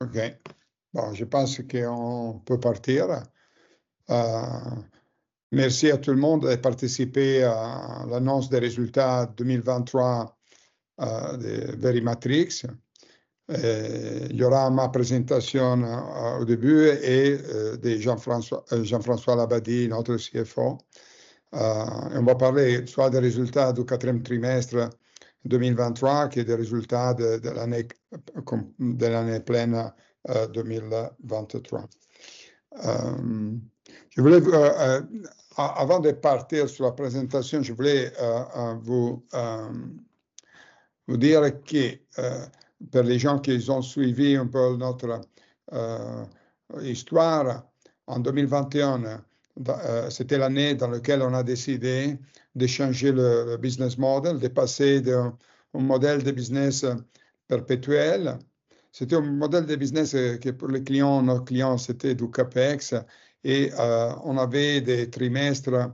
OK, bon, je pense qu'on peut partir. Merci à tout le monde de participer à l'annonce des résultats 2023 de VeriMatrix. Il y aura ma présentation au début et de Jean-François, Jean-François Labadie, notre CFO. On va parler soit des résultats du quatrième trimestre 2023, qui est des résultats de l'année, de l'année pleine 2023. Je voulais, avant de partir sur la présentation, je voulais vous dire que pour les gens qui ont suivi un peu notre histoire, en 2021, c'était l'année dans laquelle on a décidé de changer le business model, de passer d'un modèle de business perpétuel. C'était un modèle de business qui, pour les clients, nos clients, c'était du CapEx. Et on avait des trimestres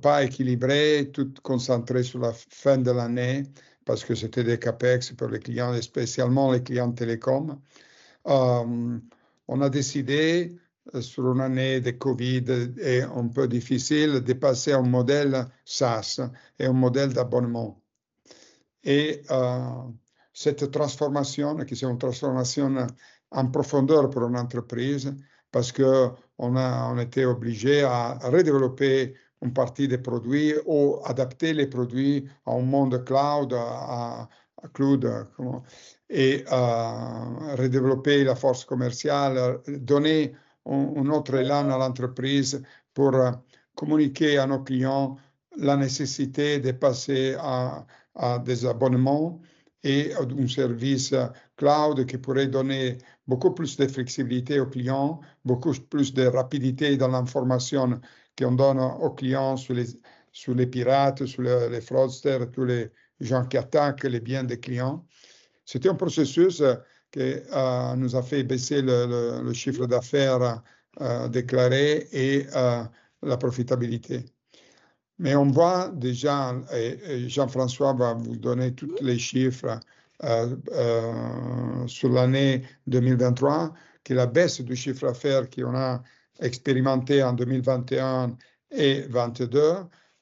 pas équilibrés, tout concentrés sur la fin de l'année, parce que c'était des CapEx pour les clients, et spécialement les clients télécoms. On a décidé, sur une année de Covid, et un peu difficile, de passer à un modèle SaaS et un modèle d'abonnement. Et cette transformation, qui c'est une transformation en profondeur pour une entreprise, parce qu'on était obligé à redévelopper une partie des produits ou adapter les produits à un monde cloud, à cloud. Et à redévelopper la force commerciale, donner un autre élan à l'entreprise pour communiquer à nos clients la nécessité de passer à des abonnements et à un service cloud qui pourrait donner beaucoup plus de flexibilité aux clients, beaucoup plus de rapidité dans l'information qu'on donne aux clients sur les pirates, sur les fraudsters, tous les gens qui attaquent les biens des clients. C'était un processus qui nous a fait baisser le chiffre d'affaires déclaré et la profitabilité. Mais on voit déjà, et Jean-François va vous donner tous les chiffres sur l'année 2023, que la baisse du chiffre d'affaires qu'on a expérimentée en 2021 et 2022,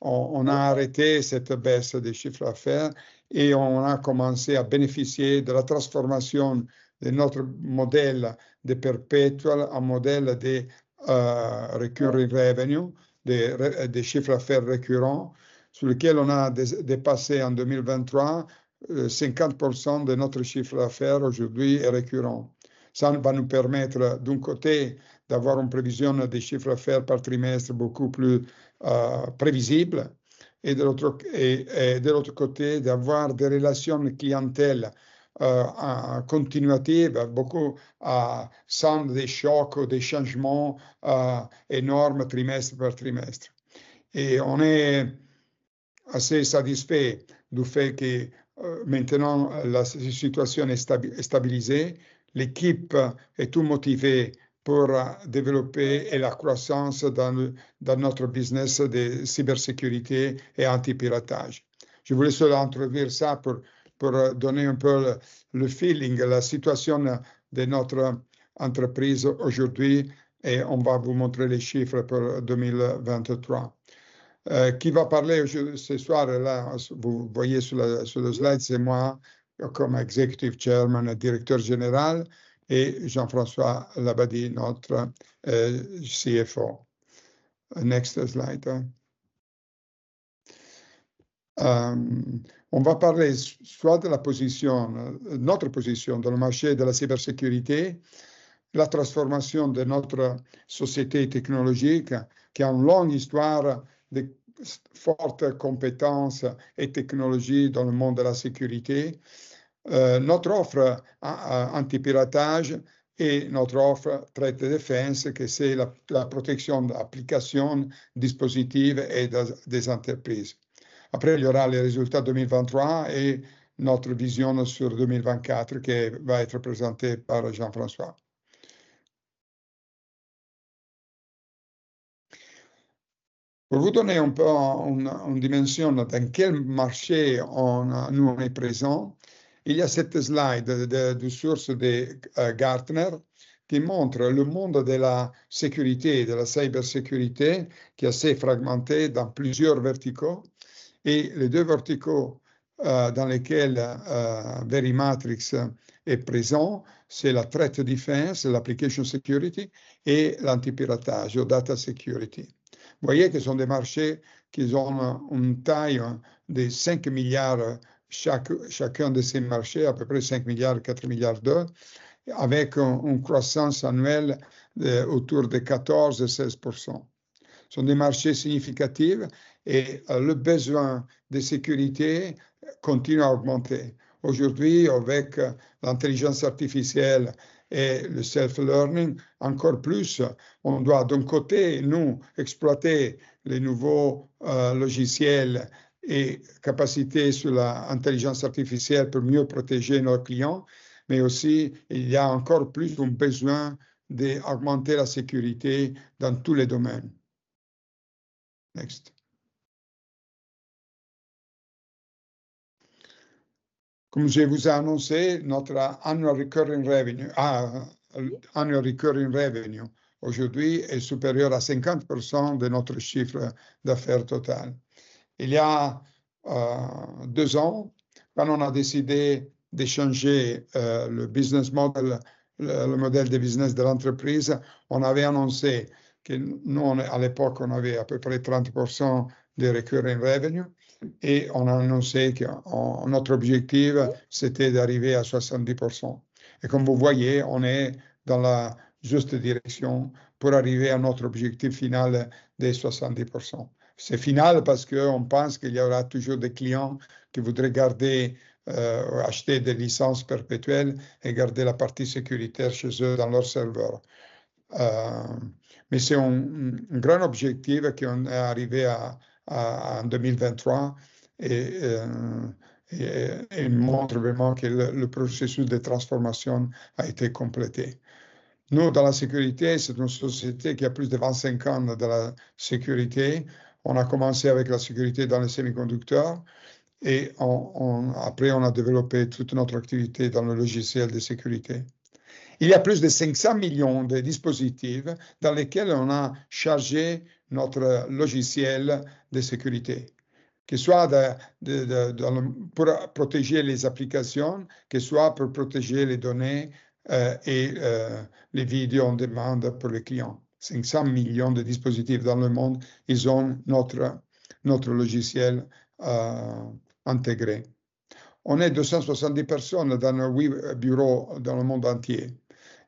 on a arrêté cette baisse de chiffre d'affaires et on a commencé à bénéficier de la transformation de notre modèle de perpetual en modèle de recurring revenue, des chiffres d'affaires récurrents, sur lesquels on a dépassé en 2023, 50% de notre chiffre d'affaires aujourd'hui est récurrent. Ça va nous permettre, d'un côté, d'avoir une prévision des chiffres d'affaires par trimestre beaucoup plus prévisible et de l'autre côté, d'avoir des relations de clientèle continuatives, beaucoup sans des chocs ou des changements énormes, trimestre par trimestre. On est assez satisfait du fait que maintenant, la situation est stabilisée. L'équipe est tout motivée pour développer et la croissance dans le, dans notre business de cybersécurité et anti-piratage. Je voulais seulement dire ça pour donner un peu le feeling, la situation de notre entreprise aujourd'hui et on va vous montrer les chiffres pour 2023. Qui va parler ce soir-là? Vous voyez sur le slide, c'est moi comme Executive Chairman, Directeur Général et Jean-François Labadie, notre CFO. On va parler soit de la position, notre position dans le marché de la cybersécurité, la transformation de notre société technologique, qui a une longue histoire de fortes compétences et technologies dans le monde de la sécurité, notre offre anti-piratage et notre offre Threat Defense, qui est la protection d'applications, dispositifs et des entreprises. Après, il y aura les résultats 2023 et notre vision sur 2024, qui va être présentée par Jean-François. Pour vous donner un peu une dimension, dans quel marché nous sommes présents, il y a cette slide de source Gartner, qui montre le monde de la sécurité, de la cybersécurité, qui est assez fragmenté dans plusieurs verticaux. Et les deux verticaux dans lesquels VeriMatrix est présent, c'est la Threat Defense, l'Application Security et l'anti-piratage, la Data Security. Vous voyez que ce sont des marchés qui ont une taille de €5 milliards chacun de ces marchés, à peu près €5 milliards, €4 milliards, avec une croissance annuelle autour de 14%, 16%. Ce sont des marchés significatifs et le besoin de sécurité continue à augmenter. Aujourd'hui, avec l'intelligence artificielle et le self-learning, encore plus, on doit d'un côté, nous, exploiter les nouveaux logiciels et capacités sur l'intelligence artificielle pour mieux protéger nos clients, mais aussi, il y a encore plus un besoin d'augmenter la sécurité dans tous les domaines. Comme je vous ai annoncé, notre annual recurring revenue, annual recurring revenue, aujourd'hui, est supérieur à 50% de notre chiffre d'affaires total. Il y a deux ans, quand on a décidé de changer le business model, le modèle de business de l'entreprise, on avait annoncé que nous, à l'époque, on avait à peu près 30% de recurring revenue et on a annoncé que notre objectif, c'était d'arriver à 70%. Et comme vous voyez, on est dans la juste direction pour arriver à notre objectif final des 70%. C'est final parce qu'on pense qu'il y aura toujours des clients qui voudraient garder, acheter des licences perpétuelles et garder la partie sécuritaire chez eux, dans leur serveur. Mais c'est un grand objectif qu'on est arrivé à en 2023 et montre vraiment que le processus de transformation a été complété. Nous, dans la sécurité, c'est une société qui a plus de 25 ans dans la sécurité. On a commencé avec la sécurité dans les semi-conducteurs et on a développé toute notre activité dans le logiciel de sécurité. Il y a plus de 500 millions de dispositifs dans lesquels on a chargé notre logiciel de sécurité, que ce soit pour protéger les applications, que ce soit pour protéger les données et les vidéos en demande pour les clients. Cinq cent millions de dispositifs dans le monde, ils ont notre logiciel intégré. On est deux cent soixante-dix personnes dans nos huit bureaux dans le monde entier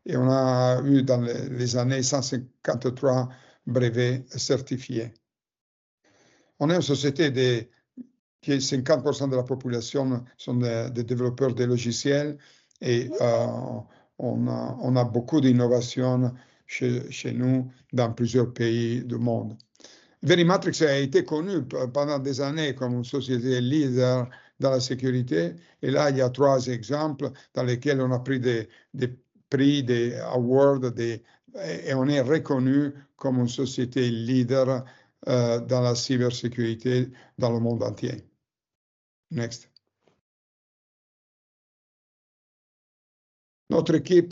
et on a eu dans les années cent cinquante-trois brevets certifiés. On est une société où cinquante pour cent de la population sont des développeurs de logiciels et on a beaucoup d'innovations chez nous, dans plusieurs pays du monde. Verimatrix a été connu pendant des années comme une société leader dans la sécurité. Et là, il y a trois exemples dans lesquels on a pris des prix, des awards. On est reconnu comme une société leader dans la cybersécurité dans le monde entier. Notre équipe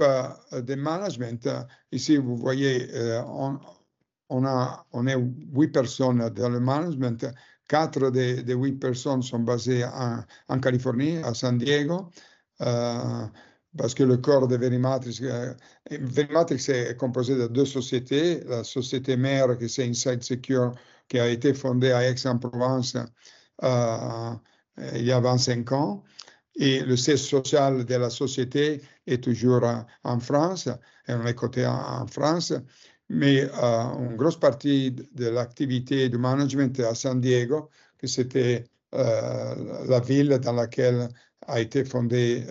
de management, ici, vous voyez, on a, on est huit personnes dans le management. Quatre des huit personnes sont basées en Californie, à San Diego. Parce que le cœur de Verimatrix... Verimatrix est composé de deux sociétés. La société mère, qui c'est Inside Secure, qui a été fondée à Aix-en-Provence il y a vingt-cinq ans. Et le siège social de la société est toujours en France, et on est coté en France, mais une grosse partie de l'activité de management est à San Diego, qui c'était la ville dans laquelle a été fondée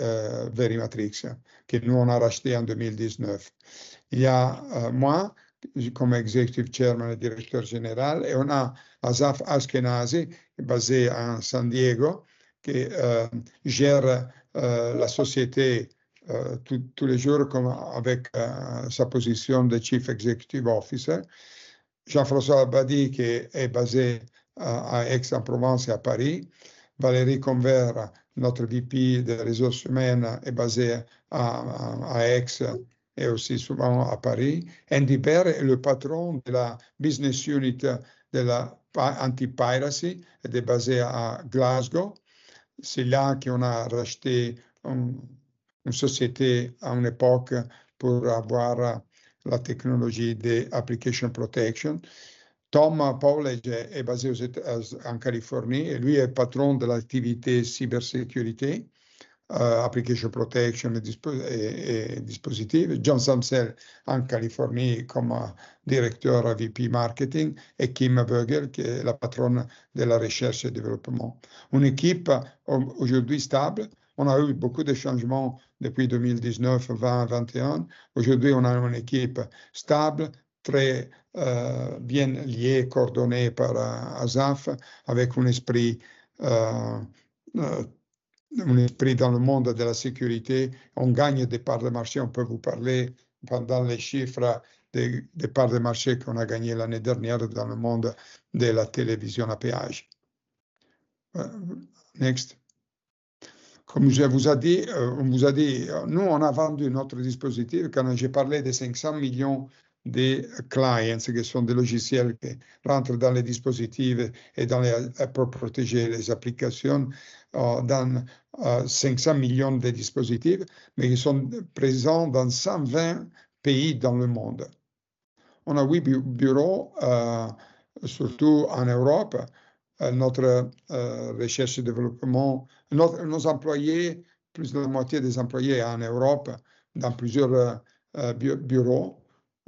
Verimatrix, que nous, on a racheté en 2019. Il y a moi, comme Executive Chairman, Directeur Général, et on a Asaf Ashkenazi, basé à San Diego, qui gère la société tous les jours avec sa position de Chief Executive Officer. Jean-François Abadie, qui est basé à Aix-en-Provence et à Paris. Valérie Converge, notre VP des Ressources Humaines, est basée à Aix et aussi souvent à Paris. Andy Bear est le patron de la business unit de la anti-piracy, et est basé à Glasgow. C'est là qu'on a racheté une société à une époque pour avoir la technologie d'application protection. Tom Powledge est basé aux États-Unis, en Californie. Lui, est patron de l'activité cybersécurité, application protection et dispositif. John Zuncel, en Californie, comme Directeur VP Marketing et Kim Bögel, qui est la patronne de la recherche et développement. Une équipe aujourd'hui stable. On a eu beaucoup de changements depuis 2019, 2020, 2021. Aujourd'hui, on a une équipe stable, très bien liée, coordonnée par Asaf, avec un esprit dans le monde de la sécurité. On gagne des parts de marché. On peut vous parler pendant les chiffres des parts de marché qu'on a gagné l'année dernière dans le monde de la télévision à péage. Comme je vous ai dit, on vous a dit, nous, on a vendu notre dispositif. Quand j'ai parlé de cinq cents millions de clients, qui sont des logiciels qui rentrent dans les dispositifs et dans les, pour protéger les applications, dans cinq cents millions de dispositifs, mais ils sont présents dans cent vingt pays dans le monde. On a huit bureaux, surtout en Europe. Notre recherche et développement, nos employés, plus de la moitié des employés en Europe, dans plusieurs bureaux.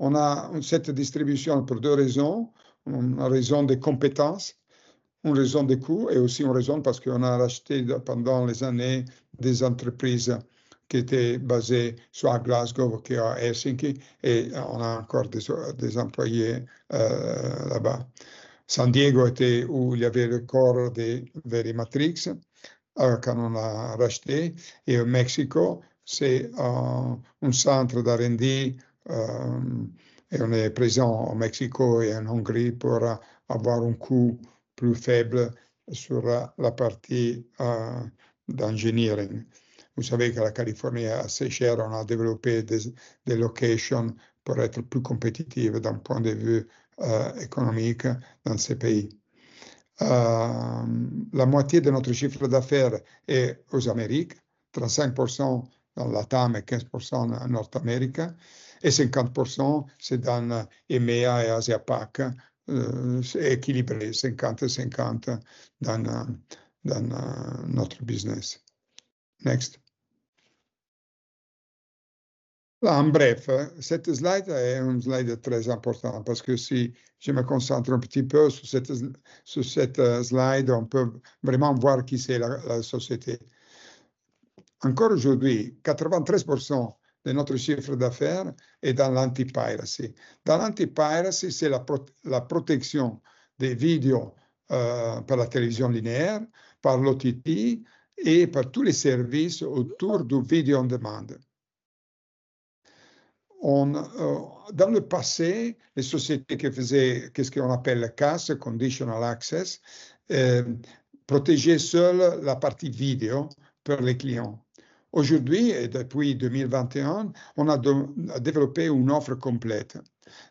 On a cette distribution pour deux raisons. Une raison de compétences. Une raison de coût et aussi une raison parce qu'on a racheté pendant les années des entreprises qui étaient basées soit à Glasgow, soit à Helsinki, et on a encore des employés là-bas. San Diego était où il y avait le cœur de VeriMatrix quand on a racheté. Et au Mexique, c'est un centre de R&D, et on est présent au Mexique et en Hongrie pour avoir un coût plus faible sur la partie d'engineering. Vous savez que la Californie est assez chère. On a développé des locations pour être plus compétitif d'un point de vue économique dans ces pays. La moitié de notre chiffre d'affaires est aux Amériques, 35% dans LATAM et 15% en Norte America et 50%, c'est dans EMEA et Asia PAC, c'est équilibré, 50-50 dans notre business. Next. En bref, cette slide est une slide très importante, parce que si je me concentre un petit peu sur cette slide, on peut vraiment voir qui c'est la société. Encore aujourd'hui, 93% de notre chiffre d'affaires est dans l'anti-piracy. Dans l'anti-piracy, c'est la protection des vidéos par la télévision linéaire, par l'OTT et par tous les services autour du vidéo on demand. Dans le passé, les sociétés qui faisaient ce qu'on appelle la CAS, Conditional Access, protégeaient seule la partie vidéo pour les clients. Aujourd'hui, et depuis 2021, on a développé une offre complète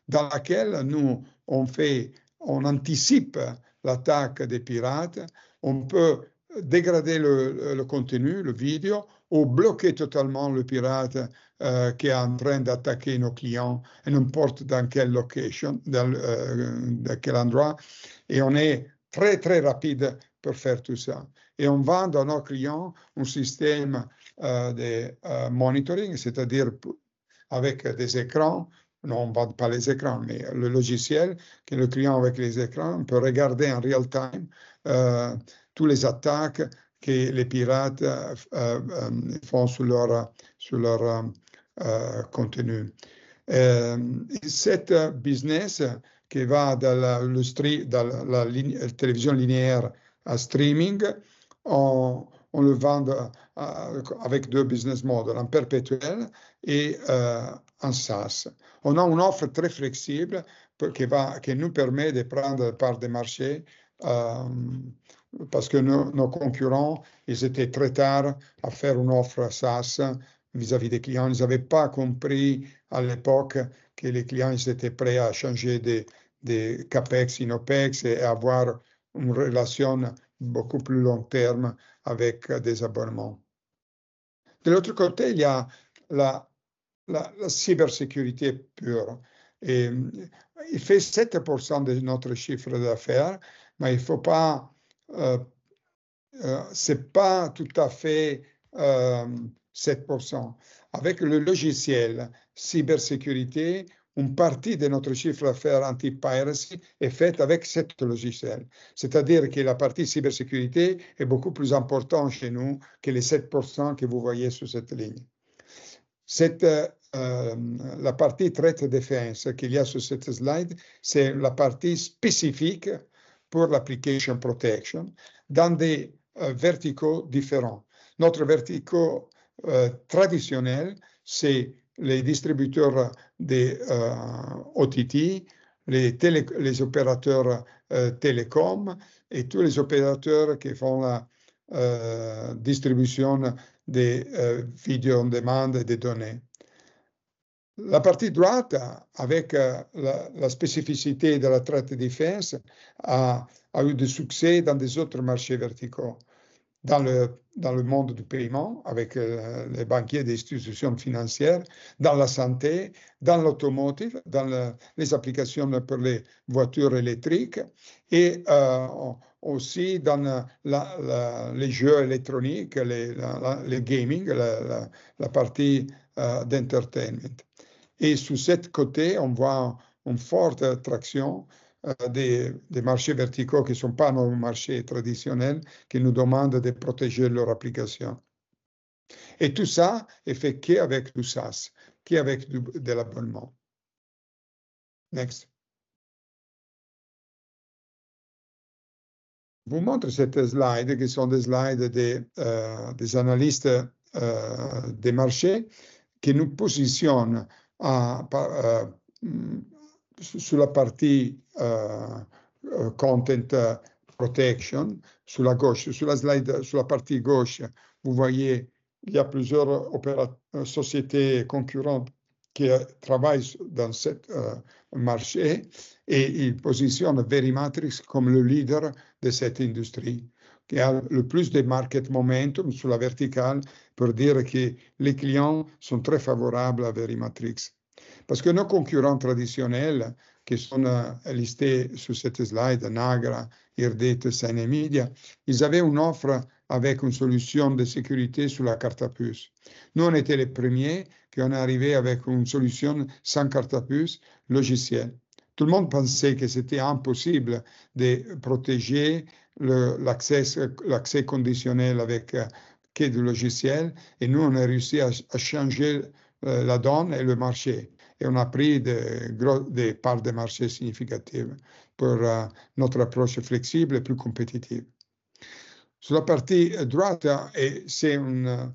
dans laquelle nous, on fait, on anticipe l'attaque des pirates. On peut dégrader le contenu, le vidéo, ou bloquer totalement le pirate qui est en train d'attaquer nos clients, et n'importe dans quelle location, dans quel endroit. Et on est très, très rapide pour faire tout ça. Et on vend à nos clients un système de monitoring, c'est-à-dire avec des écrans. Non, on ne vend pas les écrans, mais le logiciel que le client, avec les écrans, peut regarder en temps réel tous les attaques que les pirates font sur leur contenu. Ce business, qui va de l'industrie de la télévision linéaire au streaming, on le vend avec deux business models, en perpétuel et en SaaS. On a une offre très flexible qui nous permet de prendre des parts de marché, parce que nos concurrents, ils étaient très en retard à faire une offre SaaS vis-à-vis des clients. Ils n'avaient pas compris à l'époque que les clients, ils étaient prêts à changer des CapEx en OpEx et avoir une relation beaucoup plus long terme avec des abonnements. De l'autre côté, il y a la cybersécurité pure et elle fait 7% de notre chiffre d'affaires. Mais il ne faut pas... Ce n'est pas tout à fait 7%. Avec le logiciel cybersécurité, une partie de notre chiffre d'affaires anti-piracy est faite avec ce logiciel. C'est-à-dire que la partie cybersécurité est beaucoup plus importante chez nous que les 7% que vous voyez sur cette ligne. Cette partie Threat Defense qu'il y a sur cette slide, c'est la partie spécifique pour l'application protection dans des verticaux différents. Nos verticaux traditionnels, c'est les distributeurs OTT, les télé, les opérateurs télécom et tous les opérateurs qui font la distribution des vidéos en demande et des données. La partie droite, avec la spécificité de la Threat Defense, a eu du succès dans d'autres marchés verticaux. Dans le monde du paiement, avec les banquiers des institutions financières, dans la santé, dans l'automotive, dans les applications pour les voitures électriques et aussi dans les jeux électroniques, le gaming, la partie d'entertainment. Et sur ce côté, on voit une forte attraction des marchés verticaux qui ne sont pas nos marchés traditionnels, qui nous demandent de protéger leur application. Et tout ça est fait qu'avec du SaaS, qu'avec de l'abonnement. Next. Je vous montre cette slide, qui sont des slides des analystes des marchés, qui nous positionnent sur la partie content protection. Sur la gauche, sur la slide, sur la partie gauche, vous voyez, il y a plusieurs opérateurs, sociétés concurrentes qui travaillent dans ce marché et ils positionnent VeriMatrix comme le leader de cette industrie, qui a le plus de market momentum sur la verticale pour dire que les clients sont très favorables à VeriMatrix. Parce que nos concurrents traditionnels, qui sont listés sur cette slide, Nagra, Irdeto, Sinenmedia, ils avaient une offre avec une solution de sécurité sur la carte à puce. Nous, on était les premiers qui sont arrivés avec une solution sans carte à puce logicielle. Tout le monde pensait que c'était impossible de protéger l'accès, l'accès conditionnel avec clé de logiciel. Et nous, on a réussi à changer la donne et le marché. On a pris des parts de marché significatives pour notre approche flexible et plus compétitive. Sur la partie droite, et c'est une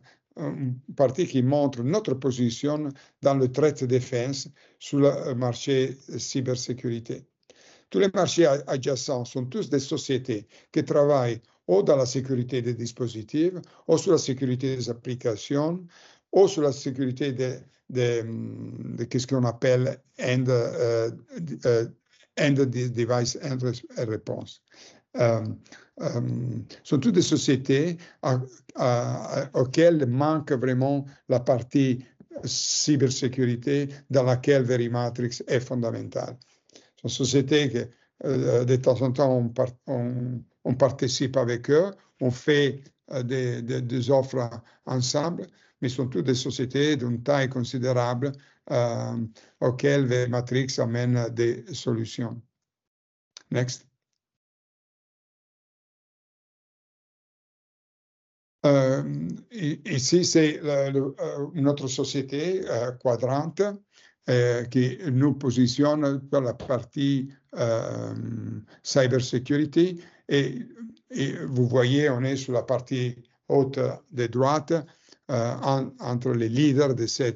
partie qui montre notre position dans le trait de défense sur le marché cybersécurité. Tous les marchés adjacents sont tous des sociétés qui travaillent ou dans la sécurité des dispositifs, ou sur la sécurité des applications, ou sur la sécurité de ce qu'on appelle end device end response. Ce sont toutes des sociétés auxquelles manque vraiment la partie cybersécurité, dans laquelle VeriMatrix est fondamentale. Ce sont des sociétés que de temps en temps, on participe avec eux, on fait des offres ensemble, mais ce sont toutes des sociétés d'une taille considérable auxquelles VeriMatrix amène des solutions. Next. Ici, c'est une autre société, Quadrante, qui nous positionne pour la partie cybersecurity. Et vous voyez, on est sur la partie haute de droite, entre les leaders de ce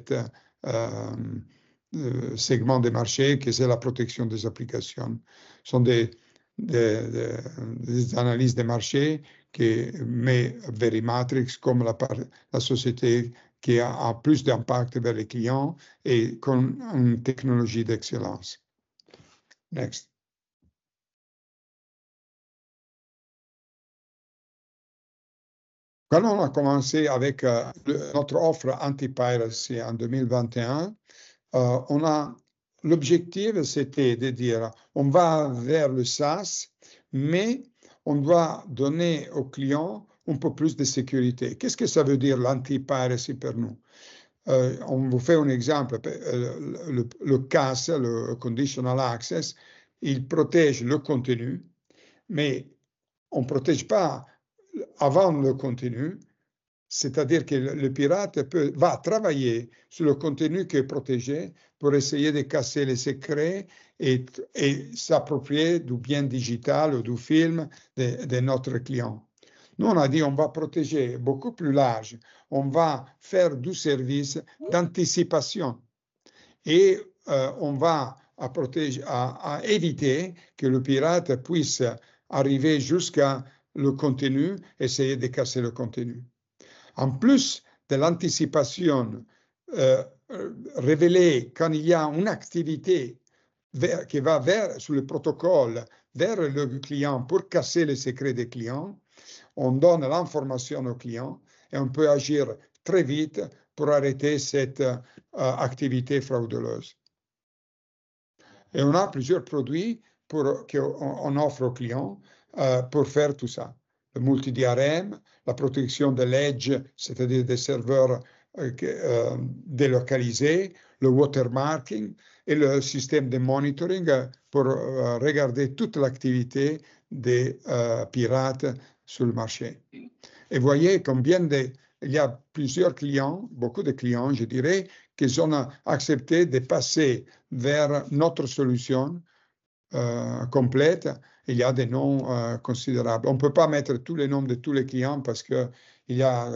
segment de marché, que c'est la protection des applications. Ce sont des analyses de marché qui met VeriMatrix comme la société qui a plus d'impact vers les clients et comme une technologie d'excellence. Next. Quand on a commencé avec notre offre Anti-Piracy en 2021, on a... L'objectif, c'était de dire: on va vers le SaaS, mais on doit donner au client un peu plus de sécurité. Qu'est-ce que ça veut dire l'Anti-Piracy pour nous? On vous fait un exemple, le CAS, le Conditional Access, il protège le contenu, mais on ne protège pas avant le contenu. C'est-à-dire que le pirate peut, va travailler sur le contenu qui est protégé pour essayer de casser les secrets et s'approprier du bien digital ou du film de notre client. Nous, on a dit: on va protéger beaucoup plus large, on va faire du service d'anticipation et on va apporter, à éviter que le pirate puisse arriver jusqu'au contenu, essayer de casser le contenu. En plus de l'anticipation, révélée quand il y a une activité vers, qui va vers, sur le protocole, vers le client pour casser le secret des clients, on donne l'information au client et on peut agir très vite pour arrêter cette activité frauduleuse. On a plusieurs produits qu'on offre au client pour faire tout ça. Le Multi-DRM, la protection de l'edge, c'est-à-dire des serveurs délocalisés, le watermarking et le système de monitoring pour regarder toute l'activité des pirates sur le marché. Et vous voyez combien de, il y a plusieurs clients, beaucoup de clients, je dirais, qui ont accepté de passer vers notre solution complète. Il y a des noms considérables. On ne peut pas mettre tous les noms de tous les clients parce qu'il y a...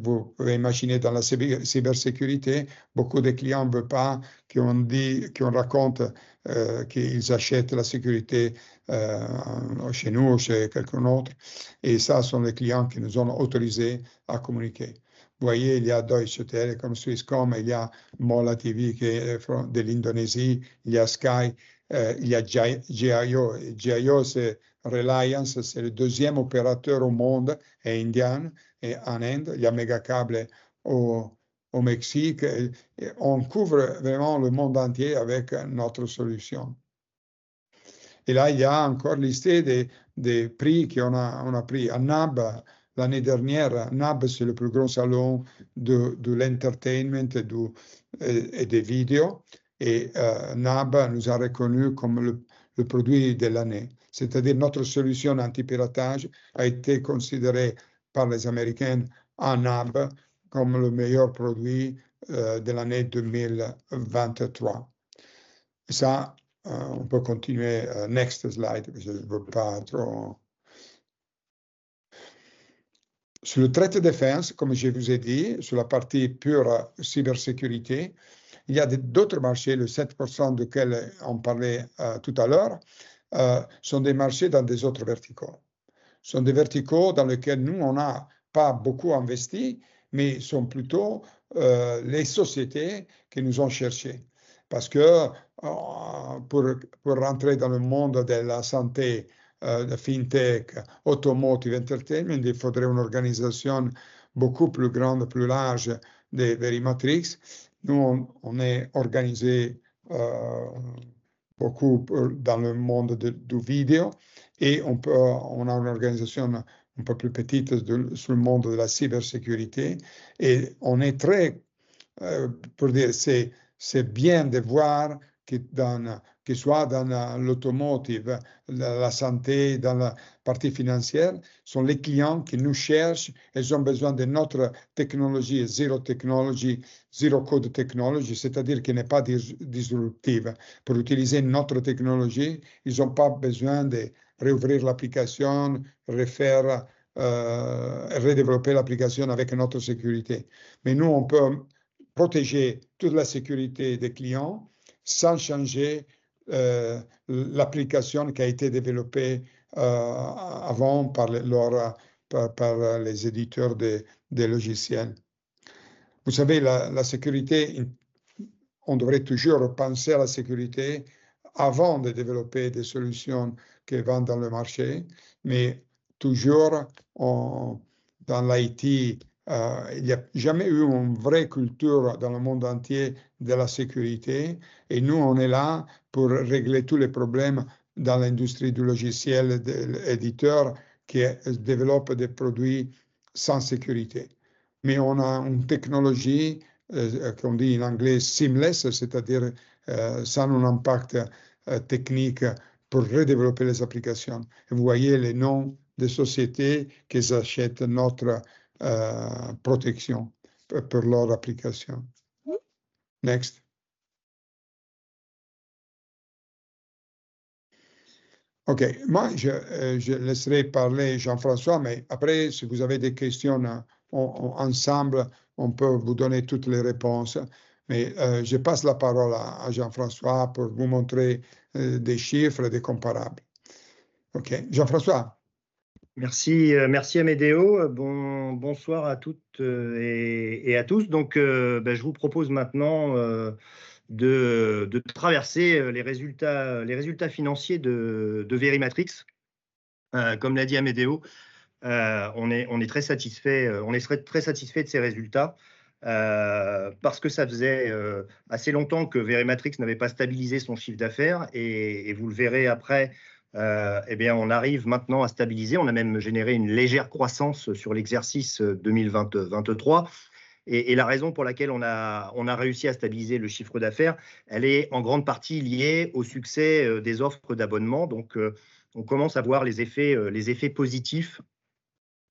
Vous pouvez imaginer, dans la cybersécurité, beaucoup de clients ne veulent pas qu'on dise, qu'on raconte qu'ils achètent la sécurité chez nous ou chez quelqu'un d'autre. Et ça, ce sont des clients qui nous ont autorisés à communiquer. Vous voyez, il y a Deutsche Telekom, Swisscom, il y a Mola TV, qui est de l'Indonésie, il y a Sky, il y a Jio. Jio, c'est Reliance, c'est le deuxième opérateur au monde, et indien, et en Inde, il y a Megacable au Mexique. On couvre vraiment le monde entier avec notre solution. Et là, il y a encore la liste des prix qu'on a pris à NAB, l'année dernière. NAB, c'est le plus gros salon de l'entertainment et des vidéos. Et NAB nous a reconnu comme le produit de l'année. C'est-à-dire notre solution anti-piratage a été considérée par les Américains, à NAB, comme le meilleur produit de l'année 2023. Ça, on peut continuer. Next slide, je ne veux pas trop... Sur le trait de défense, comme je vous ai dit, sur la partie pure cybersécurité, il y a d'autres marchés, le 7% duquel on parlait tout à l'heure, sont des marchés dans des autres verticaux. Ce sont des verticaux dans lesquels nous, on n'a pas beaucoup investi, mais ce sont plutôt les sociétés qui nous ont cherchés. Parce que pour rentrer dans le monde de la santé, de fintech, automotive, entertainment, il faudrait une organisation beaucoup plus grande, plus large, de VeriMatrix. Nous, on est organisé beaucoup dans le monde du vidéo et on peut, on a une organisation un peu plus petite sur le monde de la cybersécurité. On est très proches... pour dire, c'est bien de voir que dans, que ce soit dans l'automotive, la santé, dans la partie financière, ce sont les clients qui nous cherchent. Ils ont besoin de notre technologie, zéro technologie, zéro code technology, c'est-à-dire qui n'est pas disruptive. Pour utiliser notre technologie, ils n'ont pas besoin de rouvrir l'application, refaire, redévelopper l'application avec notre sécurité. Mais nous, on peut protéger toute la sécurité des clients sans changer l'application qui a été développée avant par leurs, par les éditeurs des logiciels. Vous savez, la sécurité, on devrait toujours penser à la sécurité avant de développer des solutions qui vont dans le marché, mais toujours dans l'IT, il n'y a jamais eu une vraie culture dans le monde entier de la sécurité. Et nous, on est là pour régler tous les problèmes dans l'industrie du logiciel, éditeur, qui développe des produits sans sécurité. Mais on a une technologie qu'on dit en anglais seamless, c'est-à-dire sans un impact technique pour redévelopper les applications. Vous voyez les noms des sociétés qui achètent notre protection pour leurs applications. Next. OK, moi, je laisserai parler Jean-François, mais après, si vous avez des questions, on peut ensemble vous donner toutes les réponses. Mais je passe la parole à Jean-François pour vous montrer des chiffres, des comparables. OK, Jean-François? Merci, merci Amedeo. Bon, bonsoir à toutes et à tous. Donc, bien je vous propose maintenant de traverser les résultats, les résultats financiers de Verimatrix. Comme l'a dit Amedeo, on est très satisfait, on est très satisfait de ces résultats, parce que ça faisait assez longtemps que Verimatrix n'avait pas stabilisé son chiffre d'affaires. Et vous le verrez après, bien, on arrive maintenant à stabiliser. On a même généré une légère croissance sur l'exercice 2023. Et la raison pour laquelle on a réussi à stabiliser le chiffre d'affaires, elle est en grande partie liée au succès des offres d'abonnement. Donc, on commence à voir les effets positifs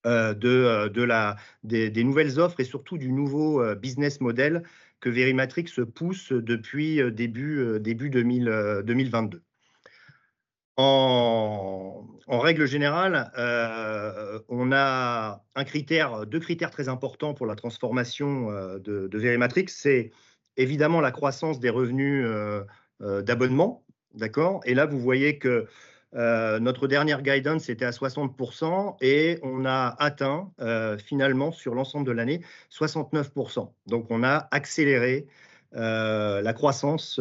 de la des nouvelles offres et surtout du nouveau business model que Verimatrix pousse depuis début 2022. En règle générale, on a deux critères très importants pour la transformation de Verimatrix. C'est évidemment la croissance des revenus d'abonnement. D'accord? Et là, vous voyez que notre dernière guidance était à 60% et on a atteint, finalement, sur l'ensemble de l'année, 69%. Donc, on a accéléré la croissance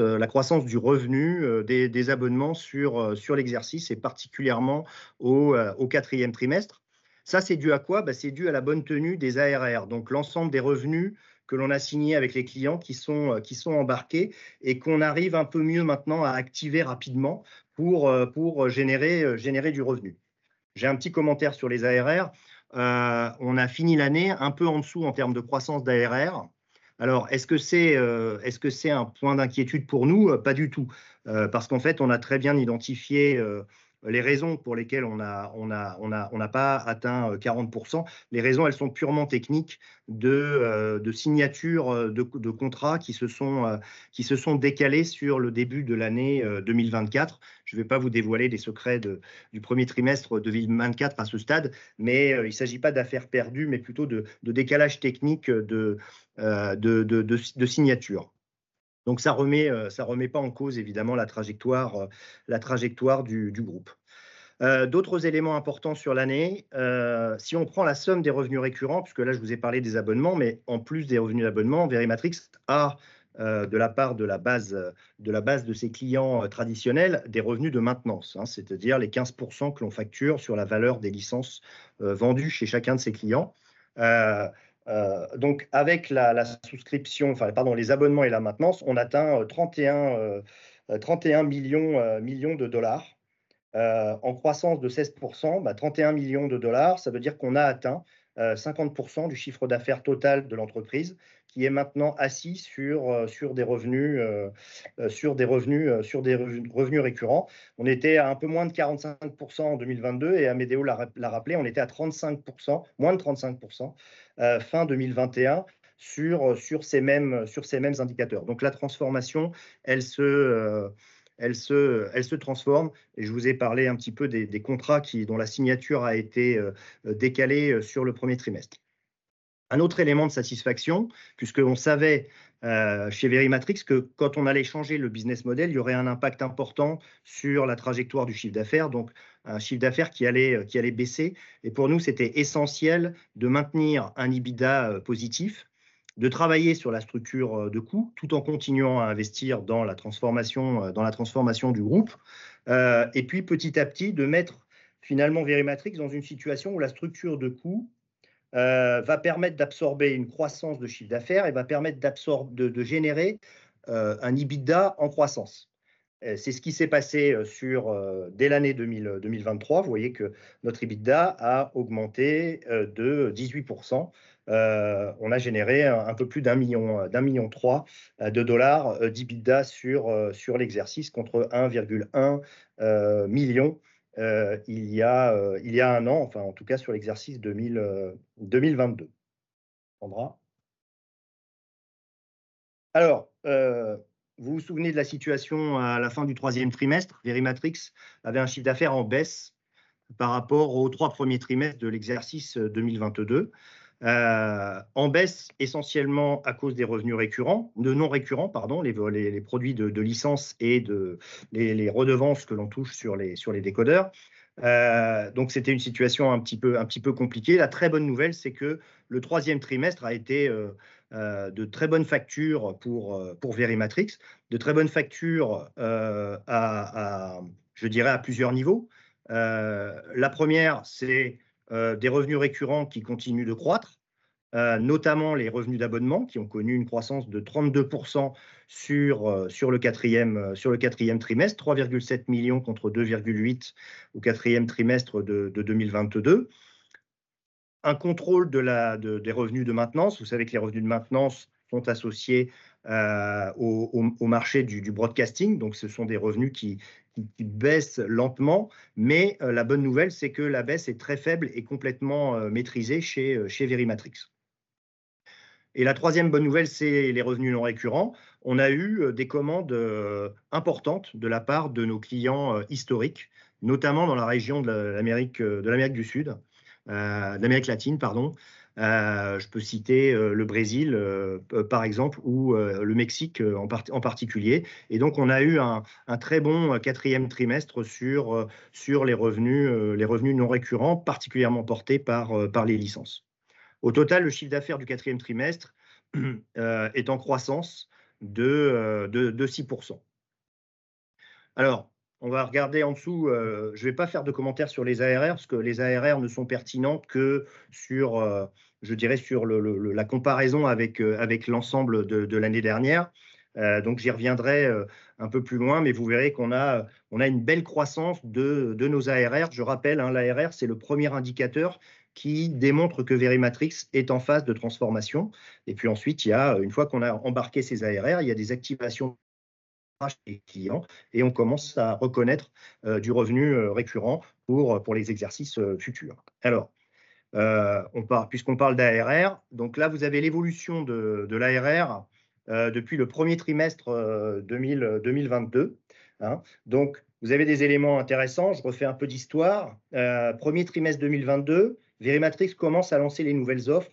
du revenu des abonnements sur l'exercice et particulièrement au quatrième trimestre. Ça, c'est dû à quoi? Ben, c'est dû à la bonne tenue des ARR, donc l'ensemble des revenus que l'on a signés avec les clients qui sont embarqués et qu'on arrive un peu mieux maintenant à activer rapidement pour générer du revenu. J'ai un petit commentaire sur les ARR. On a fini l'année un peu en dessous en termes de croissance d'ARR. Alors, est-ce que c'est un point d'inquiétude pour nous? Pas du tout, parce qu'en fait, on a très bien identifié les raisons pour lesquelles on n'a pas atteint 40%. Les raisons, elles sont purement techniques, de signatures de contrats qui se sont décalées sur le début de l'année 2024. Je ne vais pas vous dévoiler des secrets du premier trimestre 2024 à ce stade, mais il ne s'agit pas d'affaires perdues, mais plutôt de décalages techniques de signatures. Donc, ça ne remet pas en cause évidemment la trajectoire du groupe. D'autres éléments importants sur l'année, si on prend la somme des revenus récurrents, puisque là, je vous ai parlé des abonnements, mais en plus des revenus d'abonnement, Verimatrix a, de la part de la base de ses clients traditionnels, des revenus de maintenance, c'est-à-dire les 15% que l'on facture sur la valeur des licences vendues chez chacun de ses clients. Avec la souscription, pardon, les abonnements et la maintenance, on atteint 31 millions de dollars en croissance de 16%. 31 millions de dollars, ça veut dire qu'on a atteint 50% du chiffre d'affaires total de l'entreprise, qui est maintenant assis sur des revenus récurrents. On était à un peu moins de 45% en 2022 et Amedeo l'a rappelé, on était à 35%, moins de 35%, fin 2021, sur ces mêmes indicateurs. Donc, la transformation, elle se transforme. Je vous ai parlé un petit peu des contrats dont la signature a été décalée sur le premier trimestre. Un autre élément de satisfaction, puisque on savait chez Verimatrix, que quand on allait changer le business model, il y aurait un impact important sur la trajectoire du chiffre d'affaires, donc un chiffre d'affaires qui allait baisser. Et pour nous, c'était essentiel de maintenir un EBITDA positif, de travailler sur la structure de coûts tout en continuant à investir dans la transformation du groupe. Et puis, petit à petit, de mettre finalement Verimatrix dans une situation où la structure de coûts va permettre d'absorber une croissance de chiffre d'affaires et va permettre de générer un EBITDA en croissance. C'est ce qui s'est passé dès l'année 2023. Vous voyez que notre EBITDA a augmenté de 18%. On a généré un peu plus d'un million, d'un million trois de dollars d'EBITDA sur l'exercice, contre 1,1 million il y a un an, en tout cas sur l'exercice 2022. Sandra? Alors, vous vous souvenez de la situation à la fin du troisième trimestre? Verimatrix avait un chiffre d'affaires en baisse par rapport aux trois premiers trimestres de l'exercice 2022, en baisse essentiellement à cause des revenus non récurrents, pardon, les produits de licences et les redevances que l'on touche sur les décodeurs. Donc c'était une situation un petit peu compliquée. La très bonne nouvelle, c'est que le troisième trimestre a été de très bonnes factures pour Verimatrix, de très bonnes factures à, je dirais, à plusieurs niveaux. La première, c'est des revenus récurrents qui continuent de croître, notamment les revenus d'abonnement, qui ont connu une croissance de 32% sur le quatrième trimestre, 3,7 millions contre 2,8 au quatrième trimestre de 2022. Un contrôle des revenus de maintenance. Vous savez que les revenus de maintenance sont associés au marché du broadcasting. Donc ce sont des revenus qui baissent lentement. Mais la bonne nouvelle, c'est que la baisse est très faible et complètement maîtrisée chez Verimatrix. Et la troisième bonne nouvelle, c'est les revenus non récurrents. On a eu des commandes importantes de la part de nos clients historiques, notamment dans la région de l'Amérique du Sud, d'Amérique latine, pardon. Je peux citer le Brésil, par exemple, ou le Mexique en particulier. Et donc on a eu un très bon quatrième trimestre sur les revenus, les revenus non récurrents, particulièrement portés par les licences. Au total, le chiffre d'affaires du quatrième trimestre est en croissance de 6%. Alors, on va regarder en dessous. Je ne vais pas faire de commentaires sur les ARR, parce que les ARR ne sont pertinents que sur, je dirais, la comparaison avec l'ensemble de l'année dernière. Donc j'y reviendrai un peu plus loin, mais vous verrez qu'on a une belle croissance de nos ARR. Je rappelle, l'ARR, c'est le premier indicateur qui démontre que Verimatrix est en phase de transformation. Et puis ensuite, il y a, une fois qu'on a embarqué ces ARR, il y a des activations clients et on commence à reconnaître du revenu récurrent pour les exercices futurs. Alors, on parle, puisqu'on parle d'ARR, donc là, vous avez l'évolution de l'ARR depuis le premier trimestre 2022, hein. Donc, vous avez des éléments intéressants. Je refais un peu d'histoire. Premier trimestre 2022, Verimatrix commence à lancer les nouvelles offres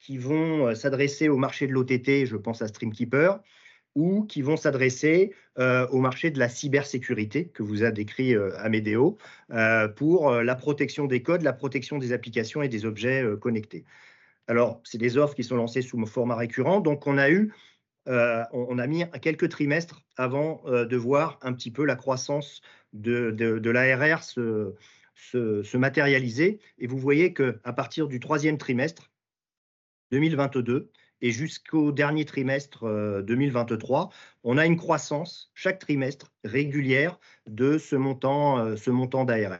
qui vont s'adresser au marché de l'OTT, je pense à Streamkeeper, ou qui vont s'adresser au marché de la cybersécurité, que vous a décrit Amedeo, pour la protection des codes, la protection des applications et des objets connectés. Alors, c'est des offres qui sont lancées sous format récurrent. Donc, on a eu, on a mis quelques trimestres avant de voir un petit peu la croissance de l'ARR se matérialiser. Et vous voyez qu'à partir du troisième trimestre 2022 et jusqu'au dernier trimestre 2023, on a une croissance chaque trimestre, régulière, de ce montant d'ARR.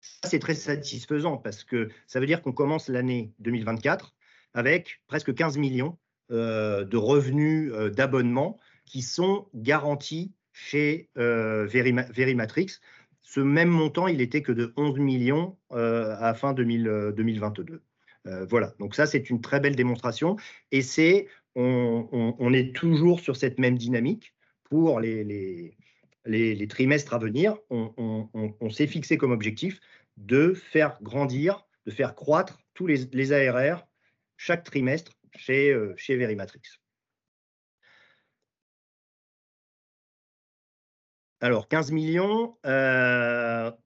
Ça, c'est très satisfaisant parce que ça veut dire qu'on commence l'année 2024 avec presque €15 millions de revenus d'abonnement qui sont garantis chez Verimatrix. Ce même montant, il était que de €11 millions à fin 2022. Voilà, donc ça, c'est une très belle démonstration et c'est... on est toujours sur cette même dynamique pour les trimestres à venir. On s'est fixé comme objectif de faire grandir, de faire croître tous les ARR chaque trimestre chez Verimatrix. Alors, 15 millions,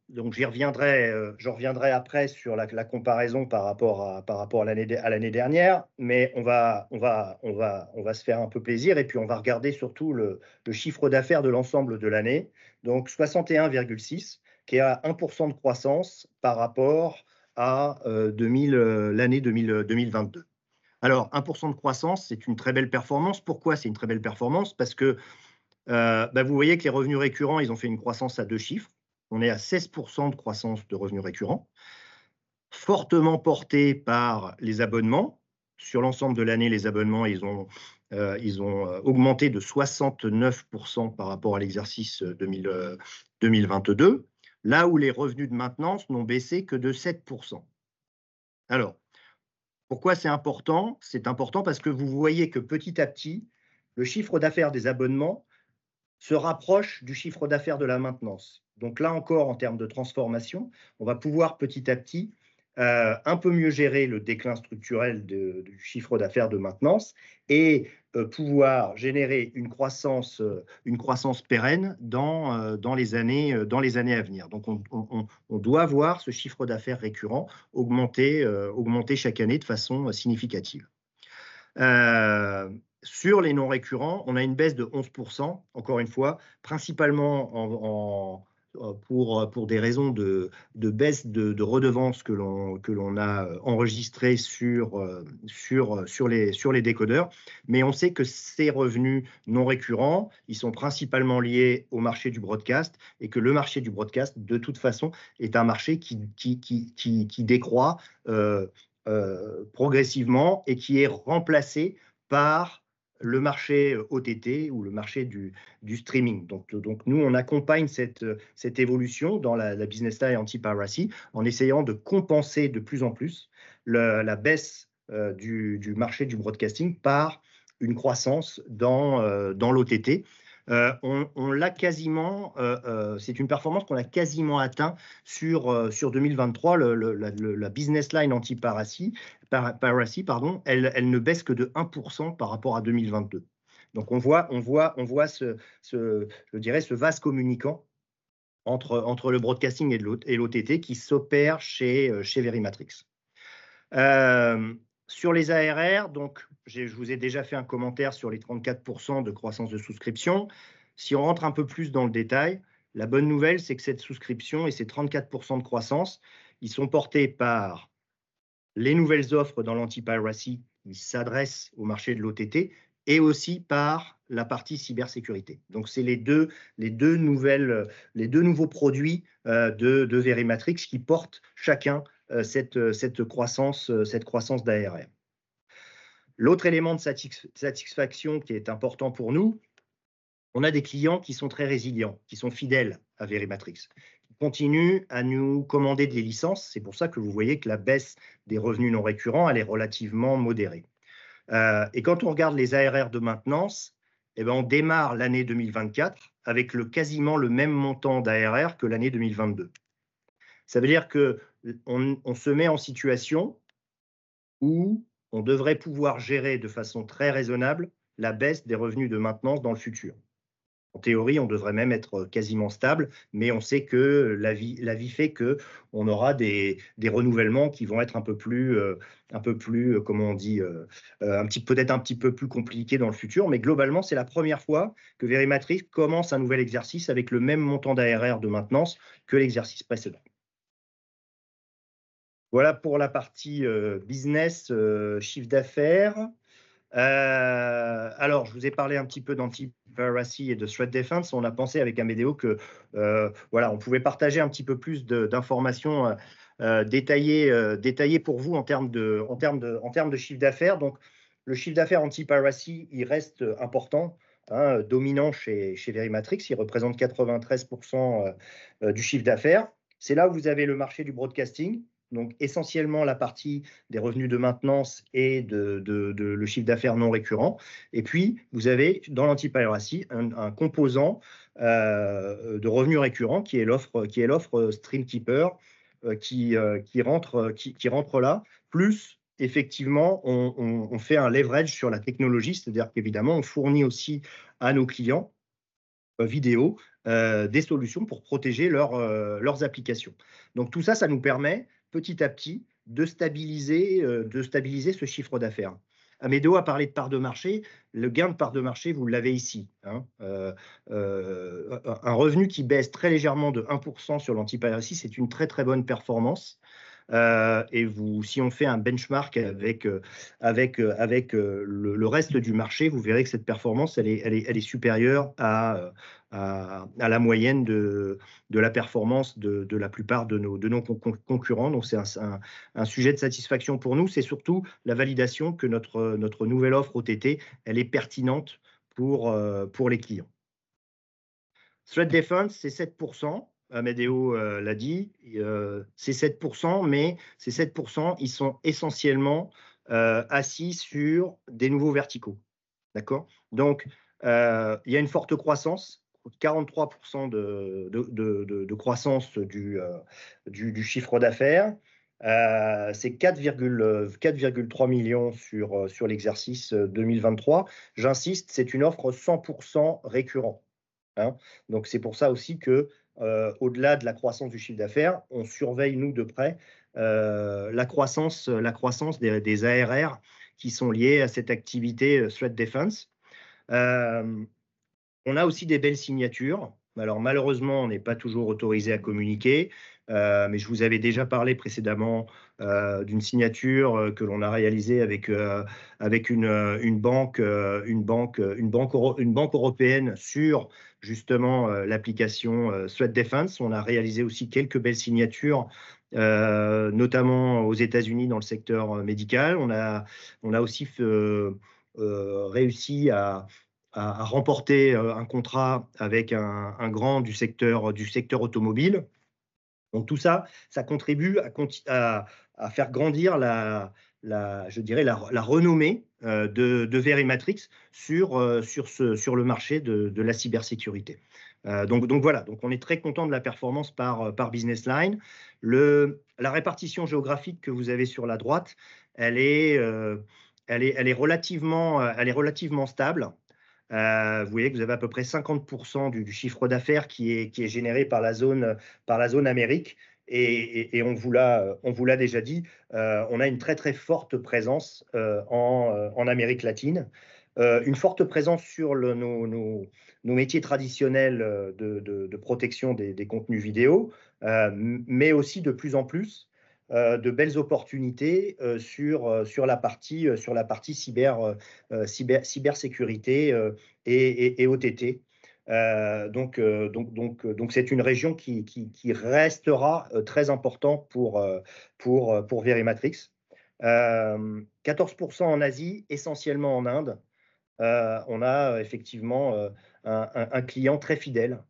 donc j'y reviendrai, je reviendrai après sur la comparaison par rapport à l'année dernière, mais on va se faire un peu plaisir et puis on va regarder surtout le chiffre d'affaires de l'ensemble de l'année. Donc, 61,6, qui est à 1% de croissance par rapport à l'année 2022. Alors, 1% de croissance, c'est une très belle performance. Pourquoi c'est une très belle performance? Parce que vous voyez que les revenus récurrents, ils ont fait une croissance à deux chiffres. On est à 16% de croissance de revenus récurrents, fortement portés par les abonnements. Sur l'ensemble de l'année, les abonnements ont augmenté de 69% par rapport à l'exercice 2022, là où les revenus de maintenance n'ont baissé que de 7%. Alors, pourquoi c'est important? C'est important parce que vous voyez que petit à petit, le chiffre d'affaires des abonnements se rapproche du chiffre d'affaires de la maintenance. Donc là encore, en termes de transformation, on va pouvoir petit à petit un peu mieux gérer le déclin structurel du chiffre d'affaires de maintenance et pouvoir générer une croissance pérenne dans les années à venir. Donc, on doit voir ce chiffre d'affaires récurrent augmenter chaque année de façon significative. Sur les non-récurrents, on a une baisse de 11%, encore une fois, principalement pour des raisons de baisse de redevances que l'on a enregistrées sur les décodeurs. Mais on sait que ces revenus non récurrents, ils sont principalement liés au marché du broadcast et que le marché du broadcast, de toute façon, est un marché qui décroît progressivement et qui est remplacé par le marché OTT ou le marché du streaming. Donc, nous, on accompagne cette évolution dans la business line anti-piracy, en essayant de compenser de plus en plus la baisse du marché du broadcasting par une croissance dans l'OTT. On l'a quasiment... C'est une performance qu'on a quasiment atteint sur 2023, la business line anti-piracy, elle ne baisse que de 1% par rapport à 2022. Donc, on voit ce vase communicant entre le broadcasting et l'OTT, qui s'opère chez Verimatrix. Sur les ARR, donc, je vous ai déjà fait un commentaire sur les 34% de croissance de souscription. Si on rentre un peu plus dans le détail, la bonne nouvelle, c'est que cette souscription et ces 34% de croissance, ils sont portés par les nouvelles offres dans l'anti-piracy, qui s'adressent au marché de l'OTT, et aussi par la partie cybersécurité. Donc c'est les deux nouveaux produits de Verimatrix, qui portent chacun cette croissance d'ARR. L'autre élément de satisfaction qui est important pour nous, on a des clients qui sont très résilients, qui sont fidèles à Verimatrix, qui continuent à nous commander des licences. C'est pour ça que vous voyez que la baisse des revenus non récurrents, elle est relativement modérée. Et quand on regarde les ARR de maintenance, on démarre l'année 2024 avec le quasiment le même montant d'ARR que l'année 2022. Ça veut dire qu'on se met en situation où on devrait pouvoir gérer de façon très raisonnable la baisse des revenus de maintenance dans le futur. En théorie, on devrait même être quasiment stable, mais on sait que la vie fait qu'on aura des renouvellements qui vont être un peu plus compliqués dans le futur. Mais globalement, c'est la première fois que Verimatrix commence un nouvel exercice avec le même montant d'ARR de maintenance que l'exercice précédent. Voilà pour la partie business, chiffre d'affaires. Alors, je vous ai parlé un petit peu d'anti-piracy et de threat defense. On a pensé avec Amadeo que voilà, on pouvait partager un petit peu plus d'informations détaillées pour vous en termes de chiffre d'affaires. Donc, le chiffre d'affaires anti-piracy, il reste important, dominant chez Verimatrix, il représente 93% du chiffre d'affaires. C'est là où vous avez le marché du broadcasting, donc essentiellement la partie des revenus de maintenance et le chiffre d'affaires non récurrent. Et puis, vous avez, dans l'anti-piracy, un composant de revenus récurrents, qui est l'offre Streamkeeper, qui rentre là. Plus, effectivement, on fait un leverage sur la technologie, c'est-à-dire qu'évidemment, on fournit aussi à nos clients vidéo des solutions pour protéger leurs applications. Donc tout ça, ça nous permet, petit à petit, de stabiliser ce chiffre d'affaires. Amadeo a parlé de parts de marché. Le gain de parts de marché, vous l'avez ici, un revenu qui baisse très légèrement de 1% sur l'anti-piracy, c'est une très bonne performance. Et si on fait un benchmark avec le reste du marché, vous verrez que cette performance, elle est supérieure à la moyenne de la performance de la plupart de nos concurrents. Donc c'est un sujet de satisfaction pour nous. C'est surtout la validation que notre nouvelle offre OTT, elle est pertinente pour les clients. Threat Defense, c'est 7%. Amadeo l'a dit, c'est 7%, mais ces 7%, ils sont essentiellement assis sur des nouveaux verticaux. D'accord? Donc il y a une forte croissance, 43% de croissance du chiffre d'affaires. C'est €4,3 millions sur l'exercice 2023. J'insiste, c'est une offre 100% récurrente, hein. Donc c'est pour ça aussi qu'au-delà de la croissance du chiffre d'affaires, on surveille, nous, de près la croissance des ARR qui sont liées à cette activité Threat Defense. On a aussi des belles signatures. Alors malheureusement, on n'est pas toujours autorisé à communiquer, mais je vous avais déjà parlé précédemment d'une signature que l'on a réalisée avec une banque, une banque européenne sur justement l'application Threat Defense. On a réalisé aussi quelques belles signatures, notamment aux États-Unis, dans le secteur médical. On a aussi réussi à remporter un contrat avec un grand du secteur automobile. Donc tout ça, ça contribue à faire grandir la renommée de Verimatrix sur le marché de la cybersécurité. Donc voilà, donc on est très content de la performance par business line. La répartition géographique que vous avez sur la droite, elle est relativement stable. Vous voyez que vous avez à peu près 50% du chiffre d'affaires qui est généré par la zone Amérique et, on vous l'a déjà dit, on a une très forte présence en Amérique latine, une forte présence sur nos métiers traditionnels de protection des contenus vidéo, mais aussi de plus en plus de belles opportunités sur la partie cybersécurité et OTT. Donc c'est une région qui restera très importante pour Verimatrix. 14% en Asie, essentiellement en Inde. On a effectivement un client très fidèle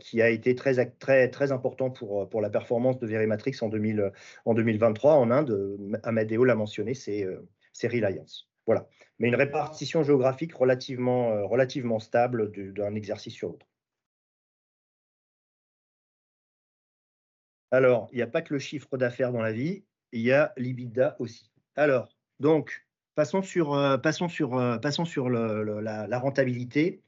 qui a été très actif, très, très important pour la performance de Verimatrix en 2023, en Inde. Amedeo l'a mentionné, c'est Reliance. Voilà. Mais une répartition géographique relativement stable d'un exercice sur l'autre. Il n'y a pas que le chiffre d'affaires dans la vie, il y a l'EBITDA aussi. Passons sur la rentabilité.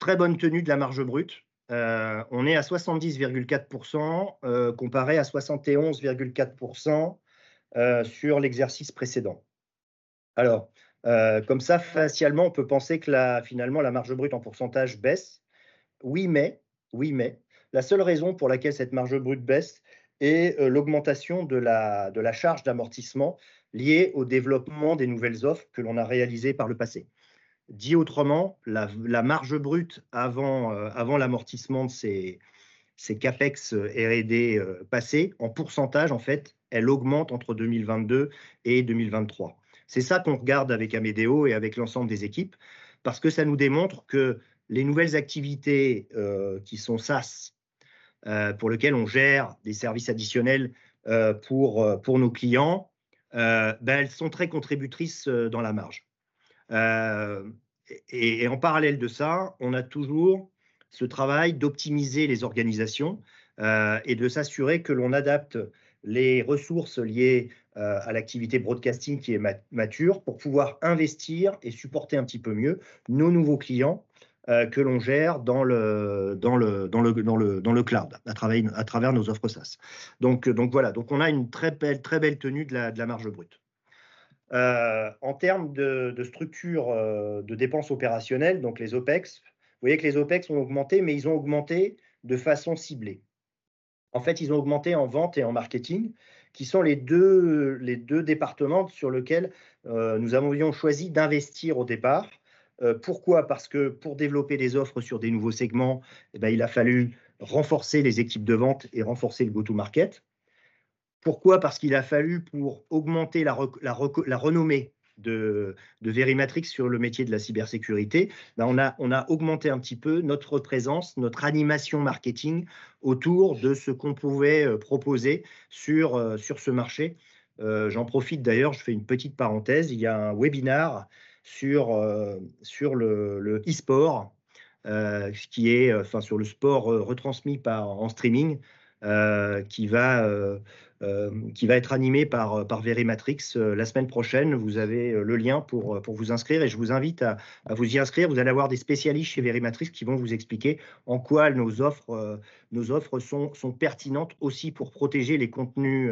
Très bonne tenue de la marge brute. On est à 70,4%, comparé à 71,4% sur l'exercice précédent. Comme ça, facialement, on peut penser que finalement la marge brute en pourcentage baisse. Oui, mais la seule raison pour laquelle cette marge brute baisse est l'augmentation de la charge d'amortissement liée au développement des nouvelles offres que l'on a réalisées par le passé. Dit autrement, la marge brute avant l'amortissement de ces CapEx R&D passés, en pourcentage, en fait, elle augmente entre 2022 et 2023. C'est ça qu'on regarde avec Amedeo et avec l'ensemble des équipes, parce que ça nous démontre que les nouvelles activités qui sont SaaS, pour lesquelles on gère des services additionnels pour nos clients, elles sont très contributrices dans la marge. Et en parallèle de ça, on a toujours ce travail d'optimiser les organisations et de s'assurer que l'on adapte les ressources liées à l'activité broadcasting, qui est mature, pour pouvoir investir et supporter un petit peu mieux nos nouveaux clients que l'on gère dans le cloud, à travers nos offres SaaS. Donc voilà. Donc on a une très belle tenue de la marge brute. En termes de structure de dépenses opérationnelles, donc les OPEX, vous voyez que les OPEX ont augmenté, mais ils ont augmenté de façon ciblée. En fait, ils ont augmenté en vente et en marketing, qui sont les deux départements sur lesquels nous avions choisi d'investir au départ. Pourquoi? Parce que pour développer des offres sur des nouveaux segments, il a fallu renforcer les équipes de vente et renforcer le go to market. Pourquoi? Parce qu'il a fallu, pour augmenter la renommée de Verimatrix sur le métier de la cybersécurité, on a augmenté un petit peu notre présence, notre animation marketing autour de ce qu'on pouvait proposer sur ce marché. J'en profite d'ailleurs, je fais une petite parenthèse, il y a un webinar sur le e-sport, ce qui est... enfin, sur le sport retransmis en streaming, qui va être animé par Verimatrix la semaine prochaine. Vous avez le lien pour vous inscrire et je vous invite à vous y inscrire. Vous allez avoir des spécialistes chez Verimatrix qui vont vous expliquer en quoi nos offres sont pertinentes aussi pour protéger les contenus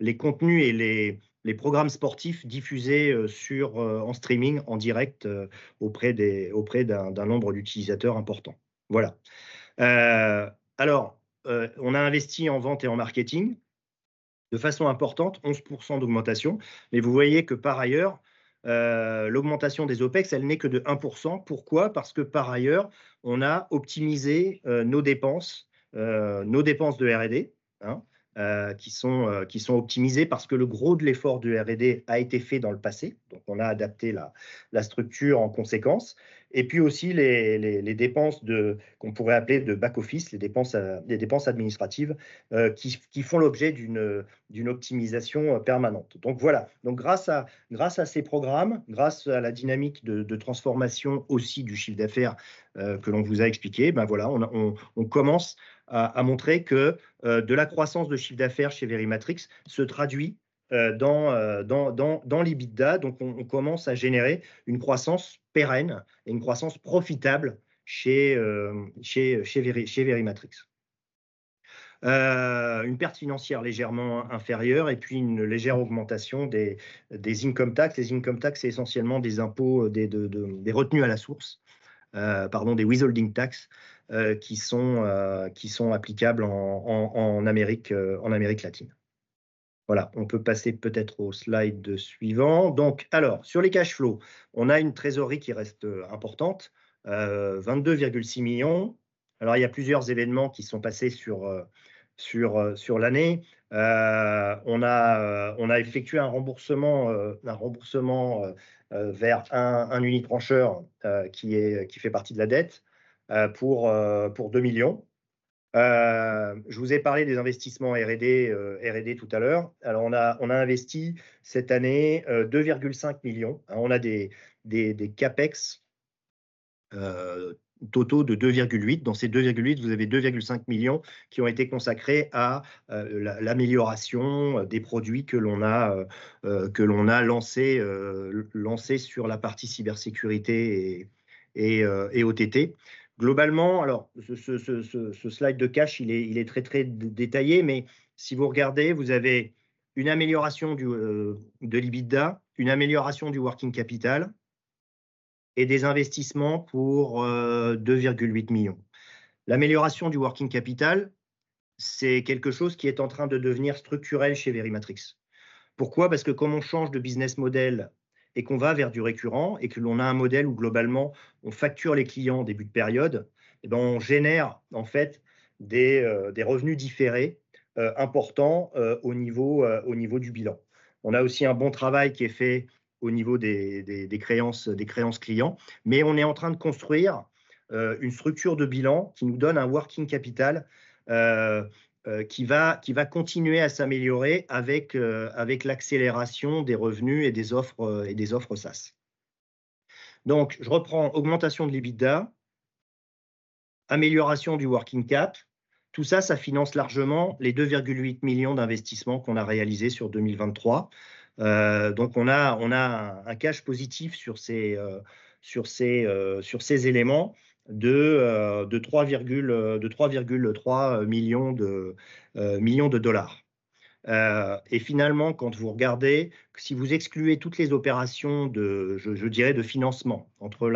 et les programmes sportifs diffusés en streaming, en direct, auprès d'un nombre d'utilisateurs importants. Voilà. Alors, on a investi en vente et en marketing de façon importante, 11% d'augmentation. Mais vous voyez que par ailleurs, l'augmentation des OPEX, elle n'est que de 1%. Pourquoi? Parce que par ailleurs, on a optimisé nos dépenses de R&D, qui sont optimisées, parce que le gros de l'effort de R&D a été fait dans le passé. Donc on a adapté la structure en conséquence. Et puis aussi les dépenses de, qu'on pourrait appeler de back-office, les dépenses administratives, qui font l'objet d'une optimisation permanente. Donc voilà. Grâce à ces programmes, grâce à la dynamique de transformation aussi du chiffre d'affaires que l'on vous a expliqué, ben voilà, on commence à montrer que de la croissance de chiffre d'affaires chez Verimatrix se traduit dans l'EBITDA. On commence à générer une croissance pérenne et une croissance profitable chez Verimatrix. Une perte financière légèrement inférieure et puis une légère augmentation des income tax. Les income tax, c'est essentiellement des impôts, des retenues à la source, pardon, des withholding tax, qui sont applicables en Amérique latine. Voilà, on peut passer peut-être au slide suivant. Donc, sur les cash flow, on a une trésorerie qui reste importante, 22,6 millions €. Il y a plusieurs événements qui sont passés sur l'année. On a effectué un remboursement vers un uni-tranche qui fait partie de la dette pour 2 millions €. Je vous ai parlé des investissements R&D tout à l'heure. On a investi cette année 2,5 millions €. On a des CapEx totaux de 2,8 millions €. Dans ces 2,8 millions €, vous avez 2,5 millions € qui ont été consacrés à l'amélioration des produits que l'on a lancés sur la partie cybersécurité et OTT. Globalement, alors, ce slide de cash, il est très très détaillé, mais si vous regardez, vous avez une amélioration de l'EBITDA, une amélioration du working capital et des investissements pour 2,8 millions. L'amélioration du working capital, c'est quelque chose qui est en train de devenir structurel chez Verimatrix. Pourquoi? Parce que comme on change de business model et qu'on va vers du récurrent et que l'on a un modèle où globalement, on facture les clients en début de période, on génère en fait des revenus différés importants au niveau du bilan. On a aussi un bon travail qui est fait au niveau des créances clients, mais on est en train de construire une structure de bilan qui nous donne un working capital qui va continuer à s'améliorer avec l'accélération des revenus et des offres SaaS. Donc, je reprends: augmentation de l'EBITDA, amélioration du working capital. Tout ça, ça finance largement les $2,8 millions d'investissements qu'on a réalisés sur 2023. Donc on a un cash positif sur ces éléments de $3,3 millions. Et finalement, quand vous regardez, si vous excluez toutes les opérations de financement, entre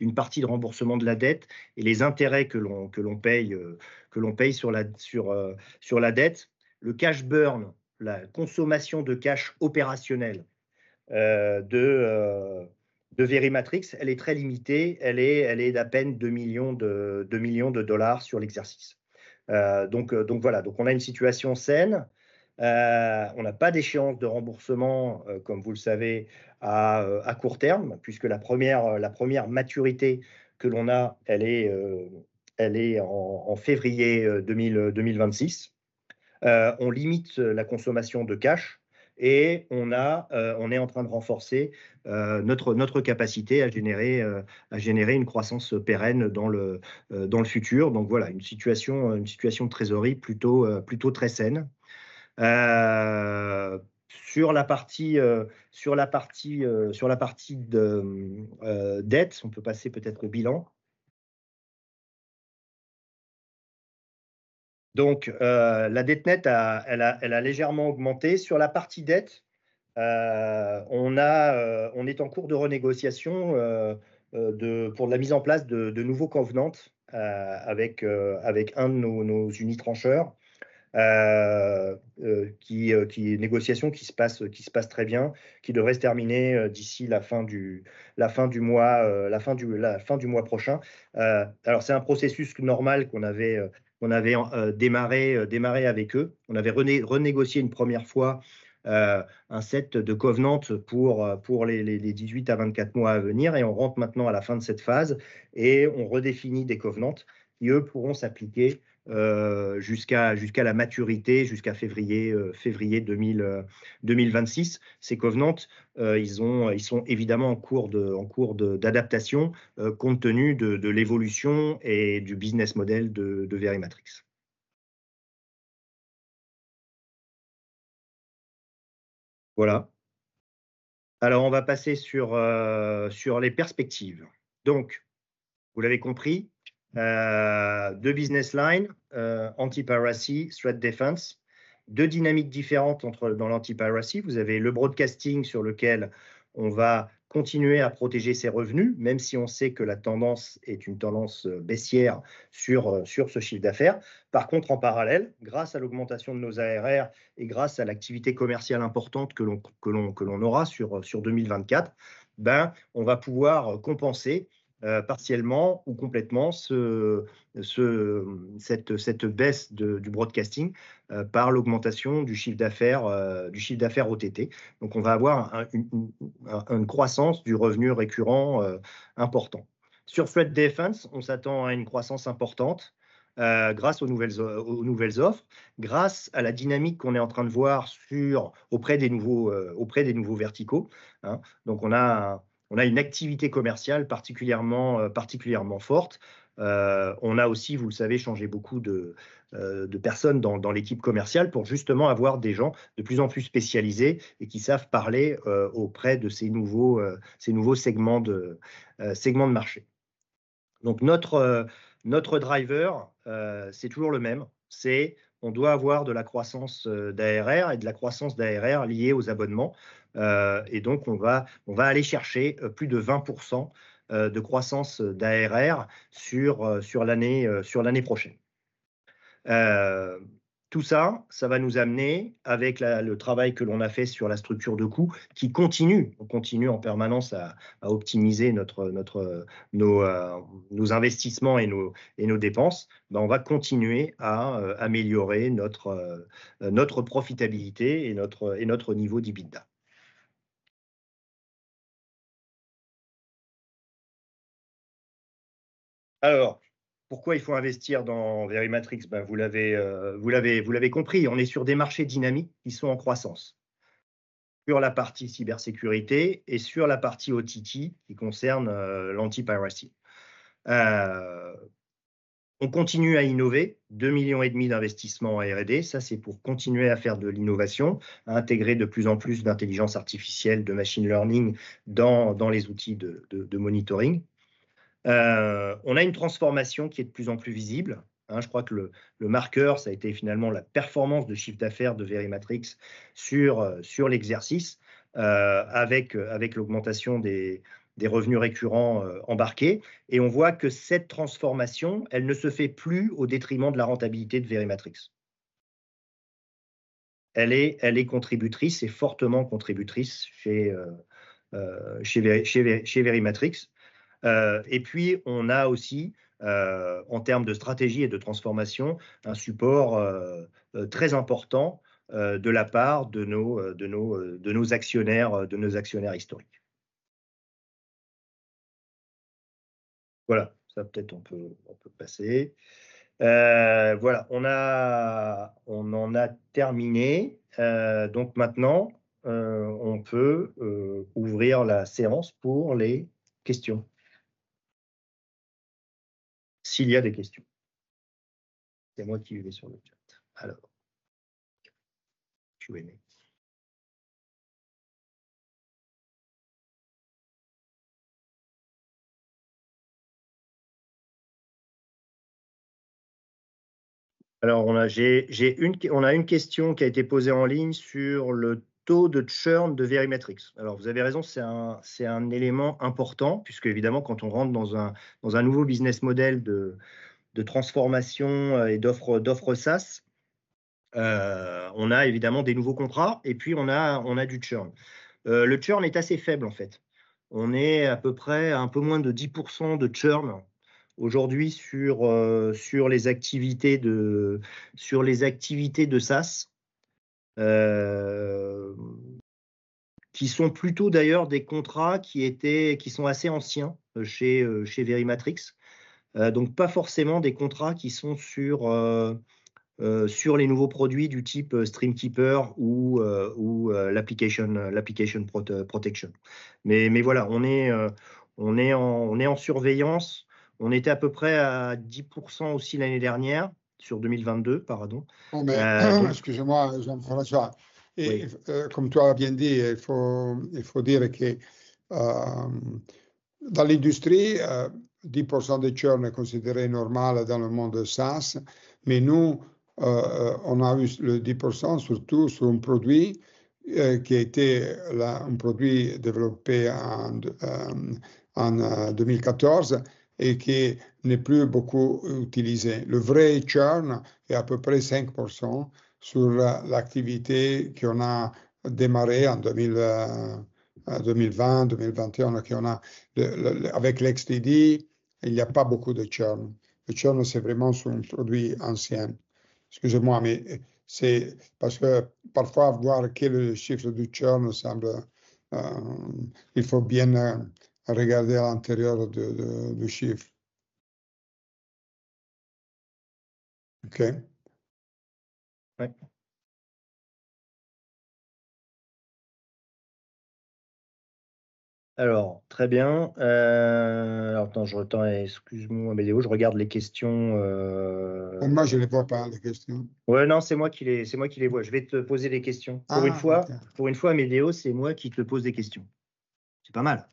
une partie de remboursement de la dette et les intérêts que l'on paye sur la dette, le cash burn, la consommation de cash opérationnel de Verimatrix, elle est très limitée. Elle est d'à peine $2 millions sur l'exercice. Donc voilà. Donc on a une situation saine. On n'a pas d'échéance de remboursement, comme vous le savez, à court terme, puisque la première maturité que l'on a, elle est en février 2026. On limite la consommation de cash et on est en train de renforcer notre capacité à générer une croissance pérenne dans le futur. Donc voilà, une situation de trésorerie plutôt très saine. Sur la partie dette, on peut passer peut-être au bilan. Donc, la dette nette a légèrement augmenté. Sur la partie dette, on est en cours de renégociation pour la mise en place de nouveaux covenants avec un de nos unitrancheurs. Négociation qui se passe très bien, qui devrait se terminer d'ici la fin du mois prochain. C'est un processus normal qu'on avait démarré avec eux. On avait renégocié une première fois un set de covenants pour les dix-huit à vingt-quatre mois à venir et on rentre maintenant à la fin de cette phase et on redéfinit des covenants qui, eux, pourront s'appliquer jusqu'à la maturité, jusqu'à février 2026. Ces covenants, ils sont évidemment en cours d'adaptation, compte tenu de l'évolution et du business model de Verimatrix. Voilà. Alors, on va passer sur les perspectives. Donc, vous l'avez compris, deux business lines, Anti-Piracy, Threat Defense. Deux dynamiques différentes dans l'Anti-Piracy. Vous avez le broadcasting, sur lequel on va continuer à protéger ses revenus, même si on sait que la tendance est une tendance baissière sur ce chiffre d'affaires. Par contre, en parallèle, grâce à l'augmentation de nos ARR et grâce à l'activité commerciale importante que l'on aura sur 2024, on va pouvoir compenser partiellement ou complètement cette baisse du broadcasting par l'augmentation du chiffre d'affaires OTT. Donc, on va avoir une croissance du revenu récurrent important. Sur Threat Defense, on s'attend à une croissance importante grâce aux nouvelles offres, grâce à la dynamique qu'on est en train de voir auprès des nouveaux verticaux. Donc, on a une activité commerciale particulièrement forte. On a aussi, vous le savez, changé beaucoup de personnes dans l'équipe commerciale pour justement avoir des gens de plus en plus spécialisés et qui savent parler auprès de ces nouveaux segments de marché. Donc notre driver, c'est toujours le même: on doit avoir de la croissance d'ARR et de la croissance d'ARR liée aux abonnements. Et donc on va aller chercher plus de 20% de croissance d'ARR sur l'année prochaine. Tout ça va nous amener, avec le travail que l'on a fait sur la structure de coûts, qui continue, on continue en permanence à optimiser nos investissements et nos dépenses, on va continuer à améliorer notre profitabilité et notre niveau d'EBITDA. Alors, pourquoi il faut investir dans Verimatrix? Vous l'avez compris, on est sur des marchés dynamiques qui sont en croissance. Sur la partie cybersécurité et sur la partie OTT, qui concerne l'anti-piracy. On continue à innover, 2,5 millions d'investissements en R&D. Ça, c'est pour continuer à faire de l'innovation, à intégrer de plus en plus d'intelligence artificielle, de machine learning, dans les outils de monitoring. On a une transformation qui est de plus en plus visible. Hein, je crois que le marqueur, ça a été finalement la performance de chiffre d'affaires de Verimatrix sur l'exercice, avec l'augmentation des revenus récurrents embarqués. Et on voit que cette transformation, elle ne se fait plus au détriment de la rentabilité de Verimatrix. Elle est contributrice et fortement contributrice chez Verimatrix. Et puis, on a aussi, en termes de stratégie et de transformation, un support très important de la part de nos actionnaires, de nos actionnaires historiques. Voilà, ça, peut-être, on peut passer. Voilà, on a terminé. Donc maintenant, on peut ouvrir la séance pour les questions. S'il y a des questions. C'est moi qui vais sur le chat. Alors... Alors, on a, j'ai une question qui a été posée en ligne sur le taux de churn de Verimatrix. Alors, vous avez raison, c'est un élément important, puisque évidemment, quand on rentre dans un nouveau business model de transformation et d'offre SaaS, on a évidemment des nouveaux contrats et puis on a du churn. Le churn est assez faible, en fait. On est à peu près un peu moins de 10% de churn aujourd'hui sur les activités de SaaS, qui sont plutôt d'ailleurs des contrats qui étaient, qui sont assez anciens chez Verimatrix. Donc pas forcément des contrats qui sont sur les nouveaux produits du type Streamkeeper ou l'Application Protection. Mais voilà, on est en surveillance. On était à peu près à 10% aussi l'année dernière, sur 2022, pardon. Excuse-moi, Jean-François. Et comme toi, tu as bien dit, il faut dire que dans l'industrie, 10% de churn est considéré normal dans le monde SaaS, mais nous, on a eu le 10% surtout sur un produit qui était un produit développé en 2014 et qui n'est plus beaucoup utilisé. Le vrai churn est à peu près 5% sur l'activité qu'on a démarrée en 2020, 2021, qu'on a... Avec l'XDD, il n'y a pas beaucoup de churn. Le churn, c'est vraiment sur un produit ancien. Excuse-moi, mais c'est parce que parfois, voir que le chiffre du churn semble... Il faut bien regarder à l'intérieur du chiffre. OK. Ouais. Alors, très bien. Alors attends, je retiens... Excuse-moi, Amedeo, je regarde les questions... Moi, je ne les vois pas, les questions. Ouais, non, c'est moi qui les, c'est moi qui les vois. Je vais te poser des questions. Pour une fois, pour une fois, Amedeo, c'est moi qui te pose des questions. C'est pas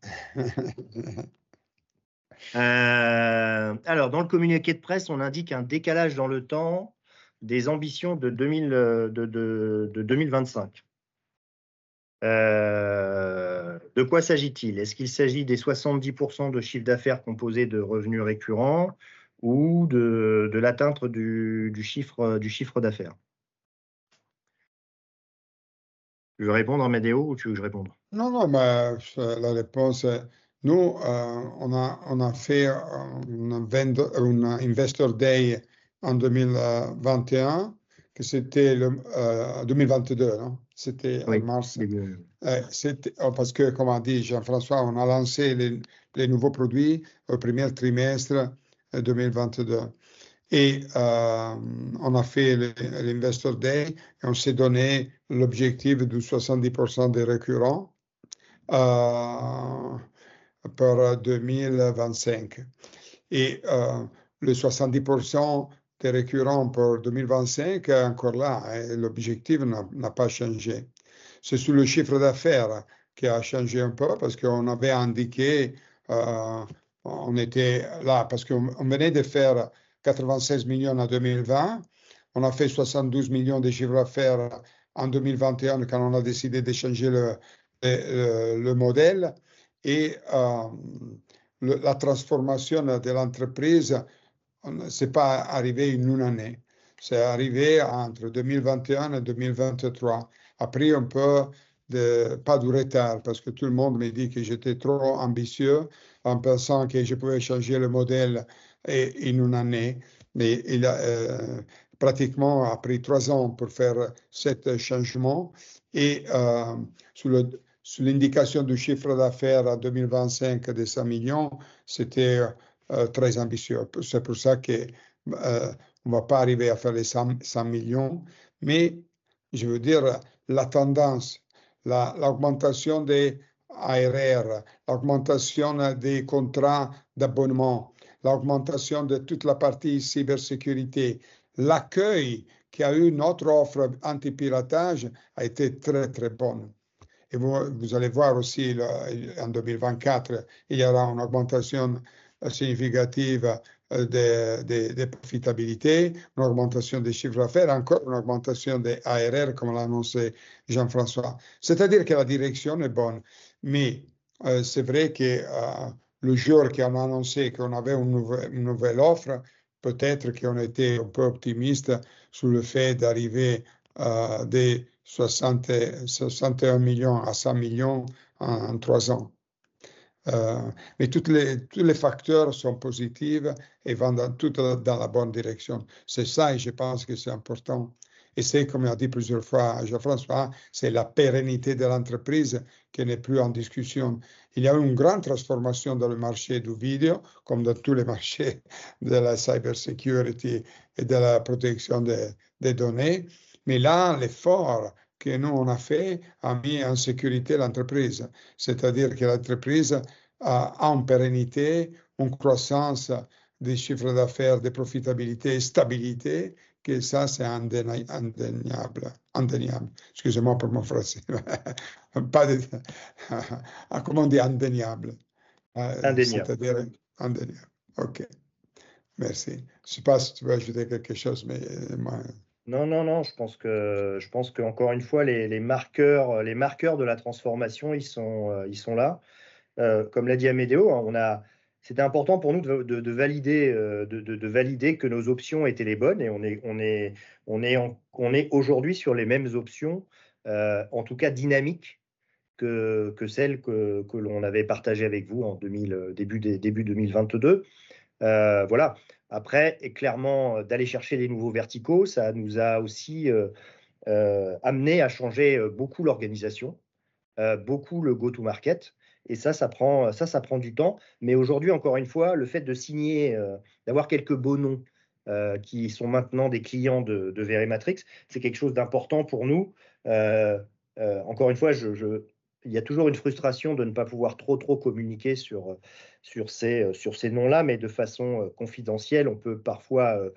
mal. Alors, dans le communiqué de presse, on indique un décalage dans le temps des ambitions de 2025. De quoi s'agit-il? Est-ce qu'il s'agit des 70% de chiffre d'affaires composés de revenus récurrents ou de l'atteinte du chiffre d'affaires? Tu veux répondre, Amedeo, ou tu veux que je réponde? Non, non, mais la réponse... Nous, on a fait un Investor Day en 2021, que c'était le 2022, hein. C'était en mars. Parce que, comme a dit Jean-François, on a lancé les nouveaux produits au premier trimestre 2022. Et on a fait l'Investor Day et on s'est donné l'objectif de 70% de récurrent pour 2025. Et le 70% de récurrent pour 2025 est encore là. L'objectif n'a pas changé. C'est sur le chiffre d'affaires qui a changé un peu, parce qu'on avait indiqué, on était là, parce qu'on venait de faire €96 millions en 2020. On a fait €72 millions de chiffre d'affaires en 2021, quand on a décidé de changer le modèle. Et la transformation de l'entreprise, ce n'est pas arrivé en une année. C'est arrivé entre 2021 et 2023. Après, on peut parler de retard, parce que tout le monde me dit que j'étais trop ambitieux en pensant que je pouvais changer le modèle en une année. Mais il a pratiquement pris trois ans pour faire ce changement. Et sur l'indication du chiffre d'affaires en 2025, de €100 millions, c'était très ambitieux. C'est pour ça qu'on ne va pas arriver à faire les €100 millions. Mais je veux dire, la tendance, l'augmentation des ARR, l'augmentation des contrats d'abonnement, l'augmentation de toute la partie cybersécurité. L'accueil qu'a eu notre offre anti-piratage a été très très bonne. Et vous, vous allez voir aussi, en 2024, il y aura une augmentation significative de profitabilité, une augmentation de chiffre d'affaires, encore une augmentation des ARR, comme l'a annoncé Jean-François. C'est-à-dire que la direction est bonne. Mais c'est vrai que le jour qu'on a annoncé qu'on avait une nouvelle offre, peut-être qu'on a été un peu optimiste sur le fait d'arriver à des 60-61 millions à 100 millions en trois ans. Mais tous les facteurs sont positifs et vont dans la bonne direction. C'est ça et je pense que c'est important. Et c'est, comme on l'a dit plusieurs fois, Jean-François, c'est la pérennité de l'entreprise qui n'est plus en discussion. Il y a une grande transformation dans le marché du vidéo, comme dans tous les marchés de la cybersécurité et de la protection des données. Mais là, l'effort que nous, on a fait, a mis en sécurité l'entreprise. C'est-à-dire que l'entreprise a une pérennité, une croissance des chiffres d'affaires, de profitabilité et stabilité, que ça, c'est indéniable. Excusez-moi pour mon français. Pas de... Comment on dit indéniable? Indéniable. Indéniable. OK. Merci. Je ne sais pas si tu veux ajouter quelque chose, mais moi... Non, non, non. Je pense que, je pense qu'encore une fois, les marqueurs de la transformation, ils sont là. Comme l'a dit Amedeo, on a... C'était important pour nous de valider que nos options étaient les bonnes. Et on est aujourd'hui sur les mêmes options, en tout cas dynamiques, que celles que l'on avait partagées avec vous en début 2022. Voilà. Après, et clairement, d'aller chercher des nouveaux verticaux, ça nous a aussi amené à changer beaucoup l'organisation, beaucoup le go to market. Et ça, ça prend du temps. Mais aujourd'hui, encore une fois, le fait de signer d'avoir quelques beaux noms qui sont maintenant des clients de Verimatrix, c'est quelque chose d'important pour nous. Encore une fois, il y a toujours une frustration de ne pas pouvoir trop communiquer sur ces noms-là, mais de façon confidentielle, on peut parfois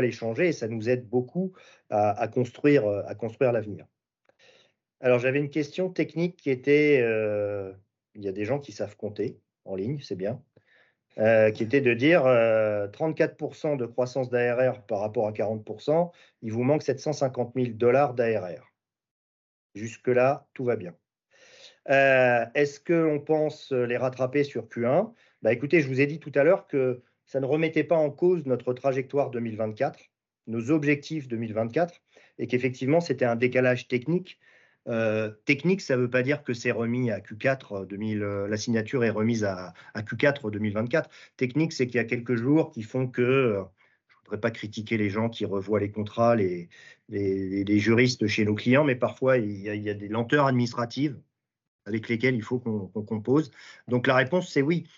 les changer et ça nous aide beaucoup à construire l'avenir. Alors, j'avais une question technique qui était... Il y a des gens qui savent compter en ligne, c'est bien, qui était de dire 34% de croissance d'ARR par rapport à 40%, il vous manque $750 000 d'ARR. Jusque-là, tout va bien. Est-ce qu'on pense les rattraper sur Q1? Bah, écoutez, je vous ai dit tout à l'heure que ça ne remettait pas en cause notre trajectoire 2024, nos objectifs 2024, et qu'effectivement, c'était un décalage technique. Technique, ça ne veut pas dire que c'est remis à Q4, 2024... la signature est remise à Q4 2024. Technique, c'est qu'il y a quelques jours qui font que, je ne voudrais pas critiquer les gens qui revoient les contrats, les juristes chez nos clients, mais parfois, il y a des lenteurs administratives avec lesquelles il faut qu'on compose. Donc, la réponse, c'est oui,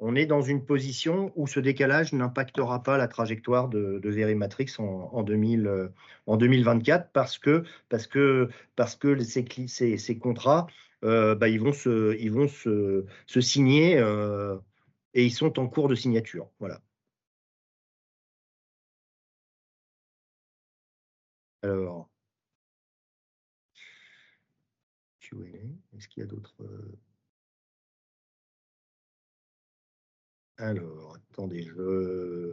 on est dans une position où ce décalage n'impactera pas la trajectoire de Verimatrix en 2024, parce que ces contrats vont se signer et ils sont en cours de signature. Voilà. Alors... Q&A, est-ce qu'il y a d'autres... Alors, attendez, je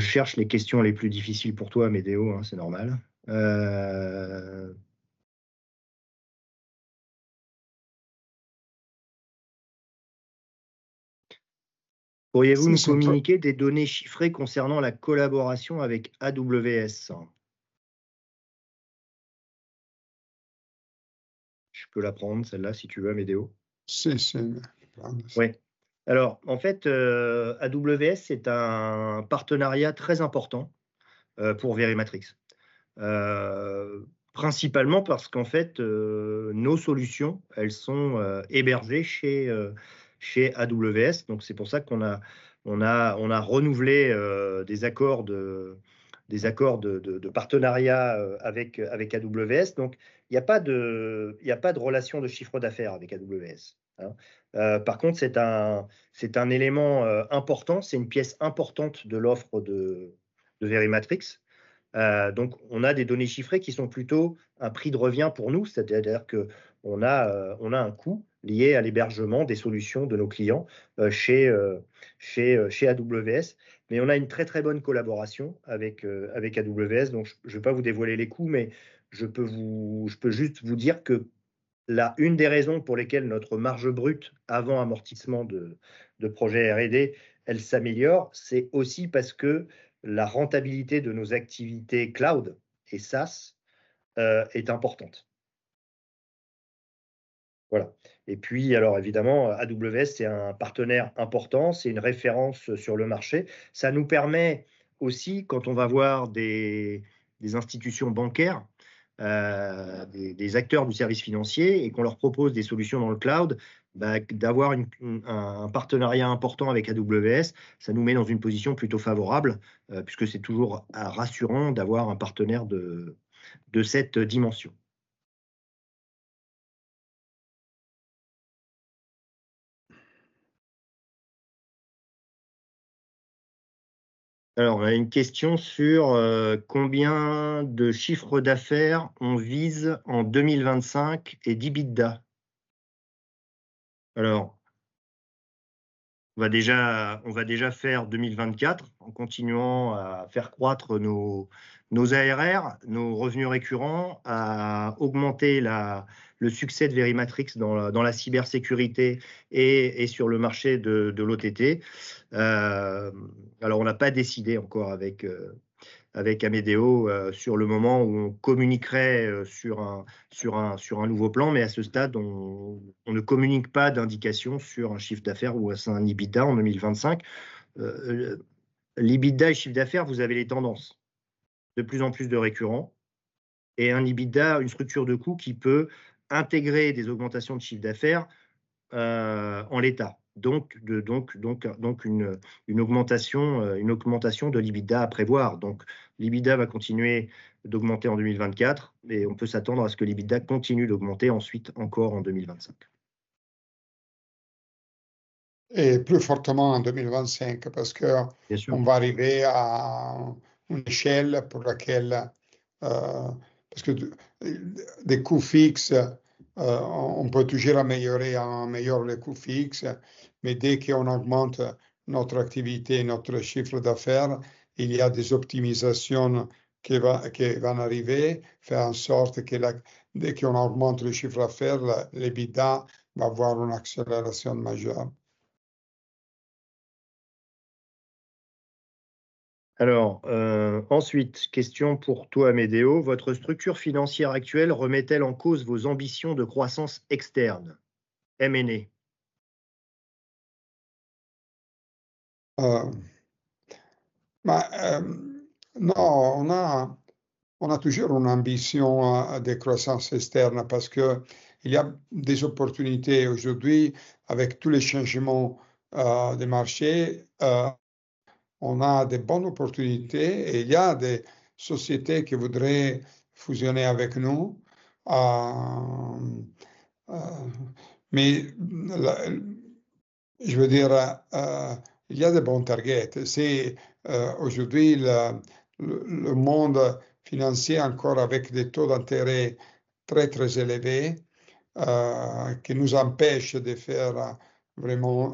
cherche les questions les plus difficiles pour toi, Amedeo, c'est normal. Pourriez-vous nous communiquer des données chiffrées concernant la collaboration avec AWS? Je peux la prendre, celle-là, si tu veux, Amedeo. C'est celle-là. Oui. Alors, en fait, AWS, c'est un partenariat très important pour Verimatrix. Principalement parce qu'en fait, nos solutions, elles sont hébergées chez AWS. Donc c'est pour ça qu'on a renouvelé des accords de partenariat avec AWS. Donc, il n'y a pas de relation de chiffre d'affaires avec AWS, hein. Par contre, c'est un élément important, c'est une pièce importante de l'offre de Verimatrix. Donc, on a des données chiffrées qui sont plutôt un prix de revient pour nous. C'est-à-dire qu'on a un coût lié à l'hébergement des solutions de nos clients chez AWS. Mais on a une très, très bonne collaboration avec AWS. Donc, je ne vais pas vous dévoiler les coûts, mais je peux vous, je peux juste vous dire que l'une des raisons pour lesquelles notre marge brute avant amortissement de projets R&D s'améliore, c'est aussi parce que la rentabilité de nos activités cloud et SaaS est importante. Voilà. Et puis, alors évidemment, AWS, c'est un partenaire important, c'est une référence sur le marché. Ça nous permet aussi, quand on va voir des institutions bancaires, des acteurs du service financier et qu'on leur propose des solutions dans le cloud, d'avoir un partenariat important avec AWS, ça nous met dans une position plutôt favorable, puisque c'est toujours rassurant d'avoir un partenaire de cette dimension. Alors, on a une question sur combien de chiffre d'affaires on vise en 2025 et d'EBITDA? Alors, on va déjà faire 2024, en continuant à faire croître nos ARR, nos revenus récurrents, à augmenter le succès de VeriMatrix dans la cybersécurité et sur le marché de l'OTT. Alors, on n'a pas décidé encore avec Amedeo, sur le moment où on communiquerait sur un nouveau plan, mais à ce stade, on ne communique pas d'indication sur un chiffre d'affaires ou un EBITDA en 2025. L'EBITDA et chiffre d'affaires, vous avez les tendances. De plus en plus de récurrents et un EBITDA, une structure de coûts qui peut intégrer des augmentations de chiffre d'affaires, en l'état. Donc une augmentation de l'EBITDA à prévoir. Donc l'EBITDA va continuer d'augmenter en 2024, mais on peut s'attendre à ce que l'EBITDA continue d'augmenter ensuite encore en 2025. Et plus fortement en 2025, parce qu'on va arriver à une échelle pour laquelle, parce que des coûts fixes, on peut toujours améliorer les coûts fixes, mais dès qu'on augmente notre activité, notre chiffre d'affaires, il y a des optimisations qui vont arriver, faire en sorte que dès qu'on augmente le chiffre d'affaires, l'EBITDA va avoir une accélération majeure. Alors, ensuite, question pour toi, Amedeo. Votre structure financière actuelle remet-elle en cause vos ambitions de croissance externe? M&A. Non, on a toujours une ambition de croissance externe parce qu'il y a des opportunités aujourd'hui, avec tous les changements des marchés, on a des bonnes opportunités et il y a des sociétés qui voudraient fusionner avec nous. Mais la... Je veux dire, il y a des bons targets. C'est aujourd'hui le monde financier, encore avec des taux d'intérêt très très élevés, qui nous empêchent de faire vraiment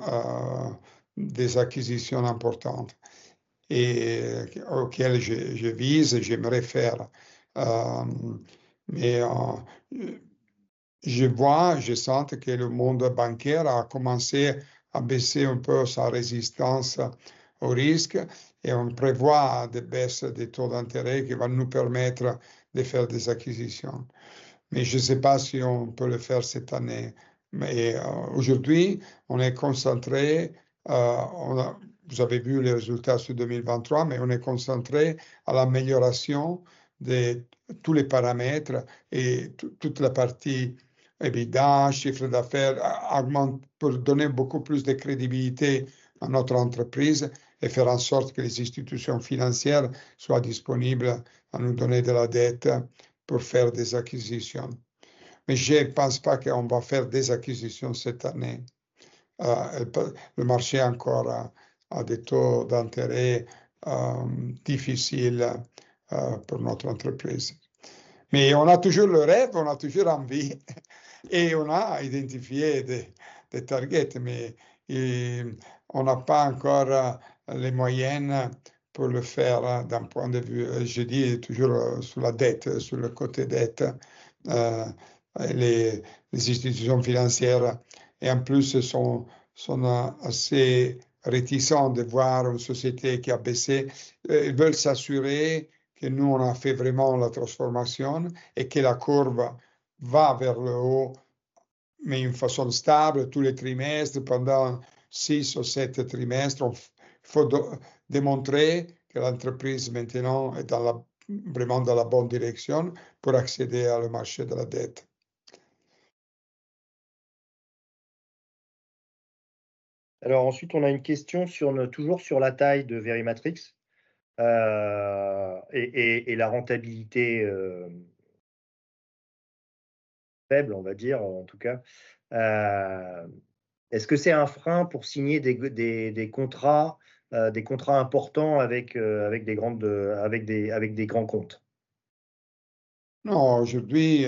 des acquisitions importantes et auxquelles je vise et j'aimerais faire. Mais je vois, je sens que le monde bancaire a commencé à baisser un peu sa résistance au risque et on prévoit des baisses des taux d'intérêt qui vont nous permettre de faire des acquisitions. Mais je ne sais pas si on peut le faire cette année. Mais aujourd'hui, on est concentré, vous avez vu les résultats sur 2023, mais on est concentré à l'amélioration de tous les paramètres et toute la partie EBITDA, chiffre d'affaires, augmente, pour donner beaucoup plus de crédibilité à notre entreprise et faire en sorte que les institutions financières soient disponibles à nous donner de la dette pour faire des acquisitions. Mais je ne pense pas qu'on va faire des acquisitions cette année. Le marché encore a des taux d'intérêt difficiles pour notre entreprise. Mais on a toujours le rêve, on a toujours envie et on a identifié des targets, mais, et on n'a pas encore les moyens pour le faire d'un point de vue, je dis, toujours sur la dette, sur le côté dette, les institutions financières. Et en plus, ils sont assez réticents de voir une société qui a baissé. Ils veulent s'assurer que nous, on a fait vraiment la transformation et que la courbe va vers le haut, mais d'une façon stable tous les trimestres, pendant six ou sept trimestres. Il faut démontrer que l'entreprise, maintenant, est dans la, vraiment dans la bonne direction pour accéder au marché de la dette. Alors ensuite, on a une question sur, toujours sur la taille de VeriMatrix, et la rentabilité faible, on va dire, en tout cas. Est-ce que c'est un frein pour signer des contrats, des contrats importants avec des grandes, avec des grands comptes? Non, aujourd'hui,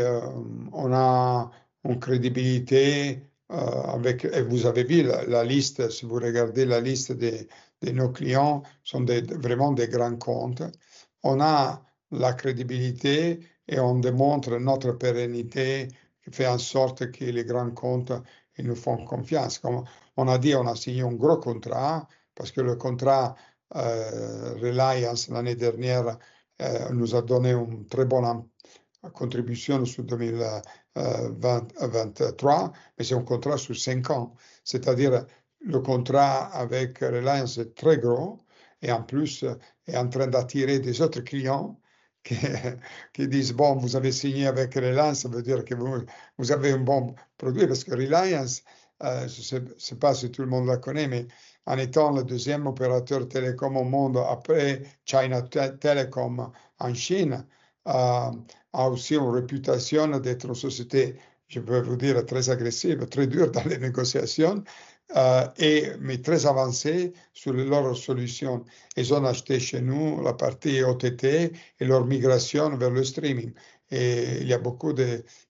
on a une crédibilité avec... Et vous avez vu la liste, si vous regardez la liste de nos clients, ce sont vraiment des grands comptes. On a la crédibilité et on démontre notre pérennité, fait en sorte que les grands comptes, ils nous font confiance. Comme on a dit, on a signé un gros contrat, parce que le contrat Reliance, l'année dernière, nous a donné une très bonne... La contribution sur 2023, mais c'est un contrat sur cinq ans. C'est-à-dire, le contrat avec Reliance est très gros et en plus, est en train d'attirer d'autres clients qui disent: « Bon, vous avez signé avec Reliance, ça veut dire que vous avez un bon produit. » Parce que Reliance, je ne sais pas si tout le monde la connaît, mais en étant le deuxième opérateur télécom au monde après China Telecom en Chine, a aussi une réputation d'être une société, je peux vous dire, très agressive, très dure dans les négociations, et mais très avancée sur leurs solutions. Ils ont acheté chez nous la partie OTT et leur migration vers le streaming. Et il y a beaucoup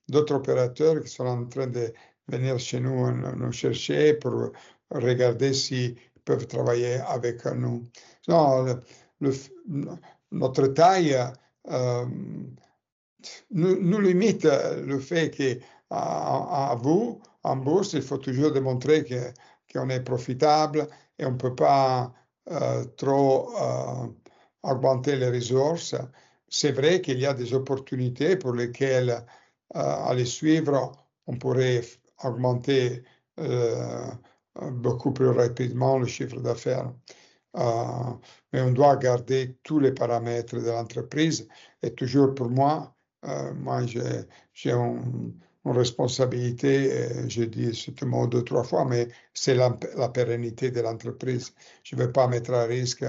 d'autres opérateurs qui sont en train de venir chez nous, nous chercher pour regarder s'ils peuvent travailler avec nous. Non, le, notre taille nous limite le fait qu'à vous, en bourse, il faut toujours démontrer qu'on est profitable et on ne peut pas trop augmenter les ressources. C'est vrai qu'il y a des opportunités pour lesquelles, à les suivre, on pourrait augmenter beaucoup plus rapidement le chiffre d'affaires. Mais on doit garder tous les paramètres de l'entreprise. Et toujours pour moi, j'ai une responsabilité, j'ai dit ce mot deux, trois fois, mais c'est la pérennité de l'entreprise. Je ne veux pas mettre à risque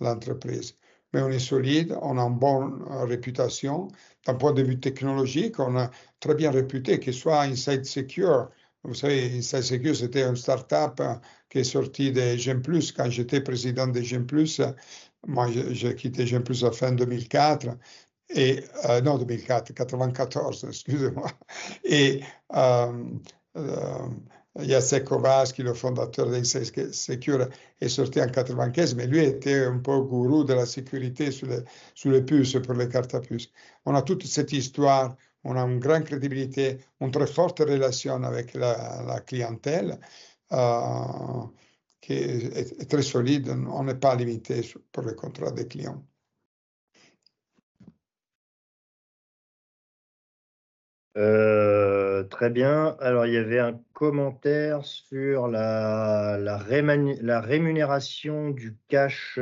l'entreprise, mais on est solide, on a une bonne réputation. D'un point de vue technologique, on a très bien réputé, que ce soit InsideSecure. Vous savez, InsideSecure, c'était une start-up qui est sortie de Gemplus. Quand j'étais président de Gemplus, moi, j'ai quitté Gemplus fin 1994, excusez-moi. Et Jacek Kowalski, le fondateur d'InsideSecure, est sorti en 1995, mais lui, était un peu le gourou de la sécurité sur les puces, pour les cartes à puce. On a toute cette histoire, on a une grande crédibilité, une très forte relation avec la clientèle qui est très solide. On n'est pas limité pour les contrats des clients. Très bien. Alors, il y avait un commentaire sur la rémunération du cash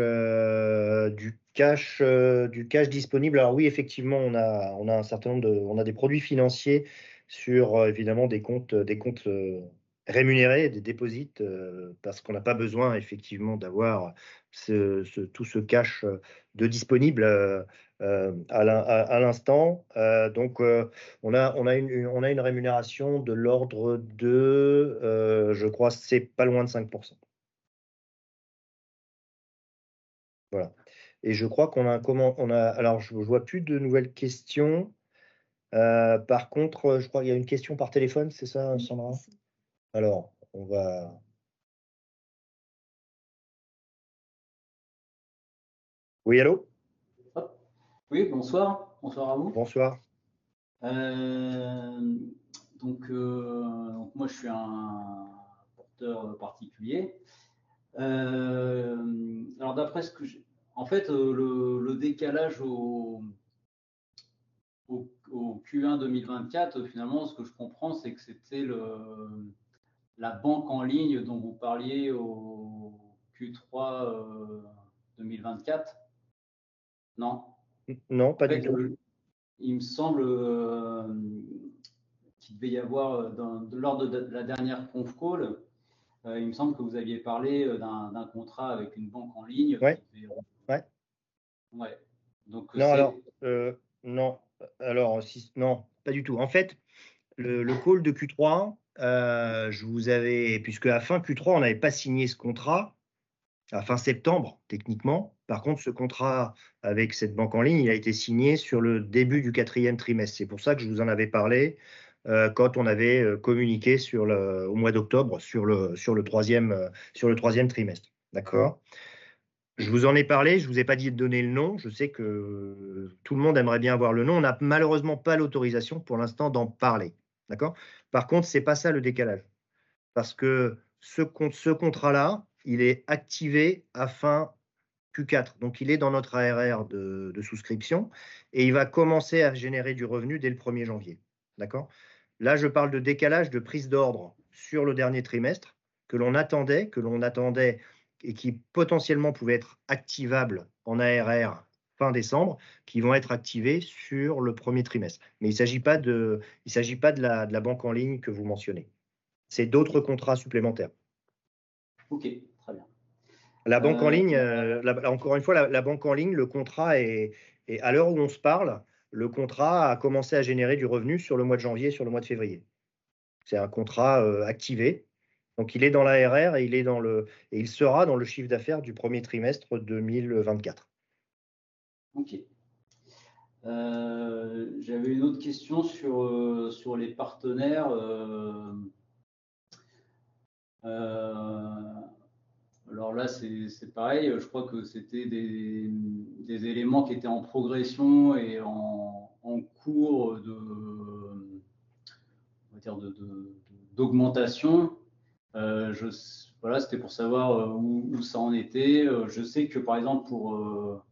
disponible. Alors oui, effectivement, on a un certain nombre de produits financiers sur évidemment des comptes rémunérés, des dépôts, parce qu'on n'a pas besoin effectivement d'avoir tout ce cash de disponible à l'instant. Donc, on a une rémunération de l'ordre de, je crois, c'est pas loin de 5%. Voilà. Et je crois qu'on a un commentaire... Alors, je vois plus de nouvelles questions. Par contre, je crois qu'il y a une question par téléphone, c'est ça, Sandra? Alors, on va... Oui, allô? Oui, bonsoir. Bonsoir à vous. Bonsoir. Donc, moi, je suis un porteur particulier. Alors d'après ce que j'ai... En fait, le décalage au Q1 2024, finalement, ce que je comprends, c'est que c'était la banque en ligne dont vous parliez au Q3 2024. Non? Non, pas du tout. Il me semble qu'il devait y avoir lors de la dernière conférence téléphonique, il me semble que vous aviez parlé d'un contrat avec une banque en ligne. Ouais. Ouais. Ouais. Non, alors non. Alors si, non, pas du tout. En fait, le call de Q3, je vous avais... puisque à fin Q3, on n'avait pas signé ce contrat, à fin septembre, techniquement. Par contre, ce contrat avec cette banque en ligne, il a été signé sur le début du quatrième trimestre. C'est pour ça que je vous en avais parlé quand on avait communiqué sur le, au mois d'octobre, sur le troisième trimestre. D'accord? Je vous en ai parlé, je ne vous ai pas dit de donner le nom. Je sais que tout le monde aimerait bien avoir le nom. On n'a malheureusement pas l'autorisation pour l'instant d'en parler. D'accord? Par contre, ce n'est pas ça le décalage. Parce que ce contrat-là, il est activé à fin Q4. Donc il est dans notre ARR de souscription et il va commencer à générer du revenu dès le premier janvier. D'accord? Là, je parle de décalage, de prise d'ordre sur le dernier trimestre, que l'on attendait et qui, potentiellement, pouvait être activable en ARR fin décembre, qui vont être activés sur le premier trimestre. Mais il ne s'agit pas de la banque en ligne que vous mentionnez. C'est d'autres contrats supplémentaires. OK, très bien. La banque en ligne, encore une fois, la banque en ligne, le contrat est... À l'heure où on se parle, le contrat a commencé à générer du revenu sur le mois de janvier, sur le mois de février. C'est un contrat activé. Donc il est dans l'ARR et il est dans le, et il sera dans le chiffre d'affaires du premier trimestre 2024. OK. J'avais une autre question sur les partenaires. Alors là, c'est pareil. Je crois que c'était des éléments qui étaient en progression et en cours d'augmentation. Je voilà, c'était pour savoir où ça en était. Je sais que, par exemple, pour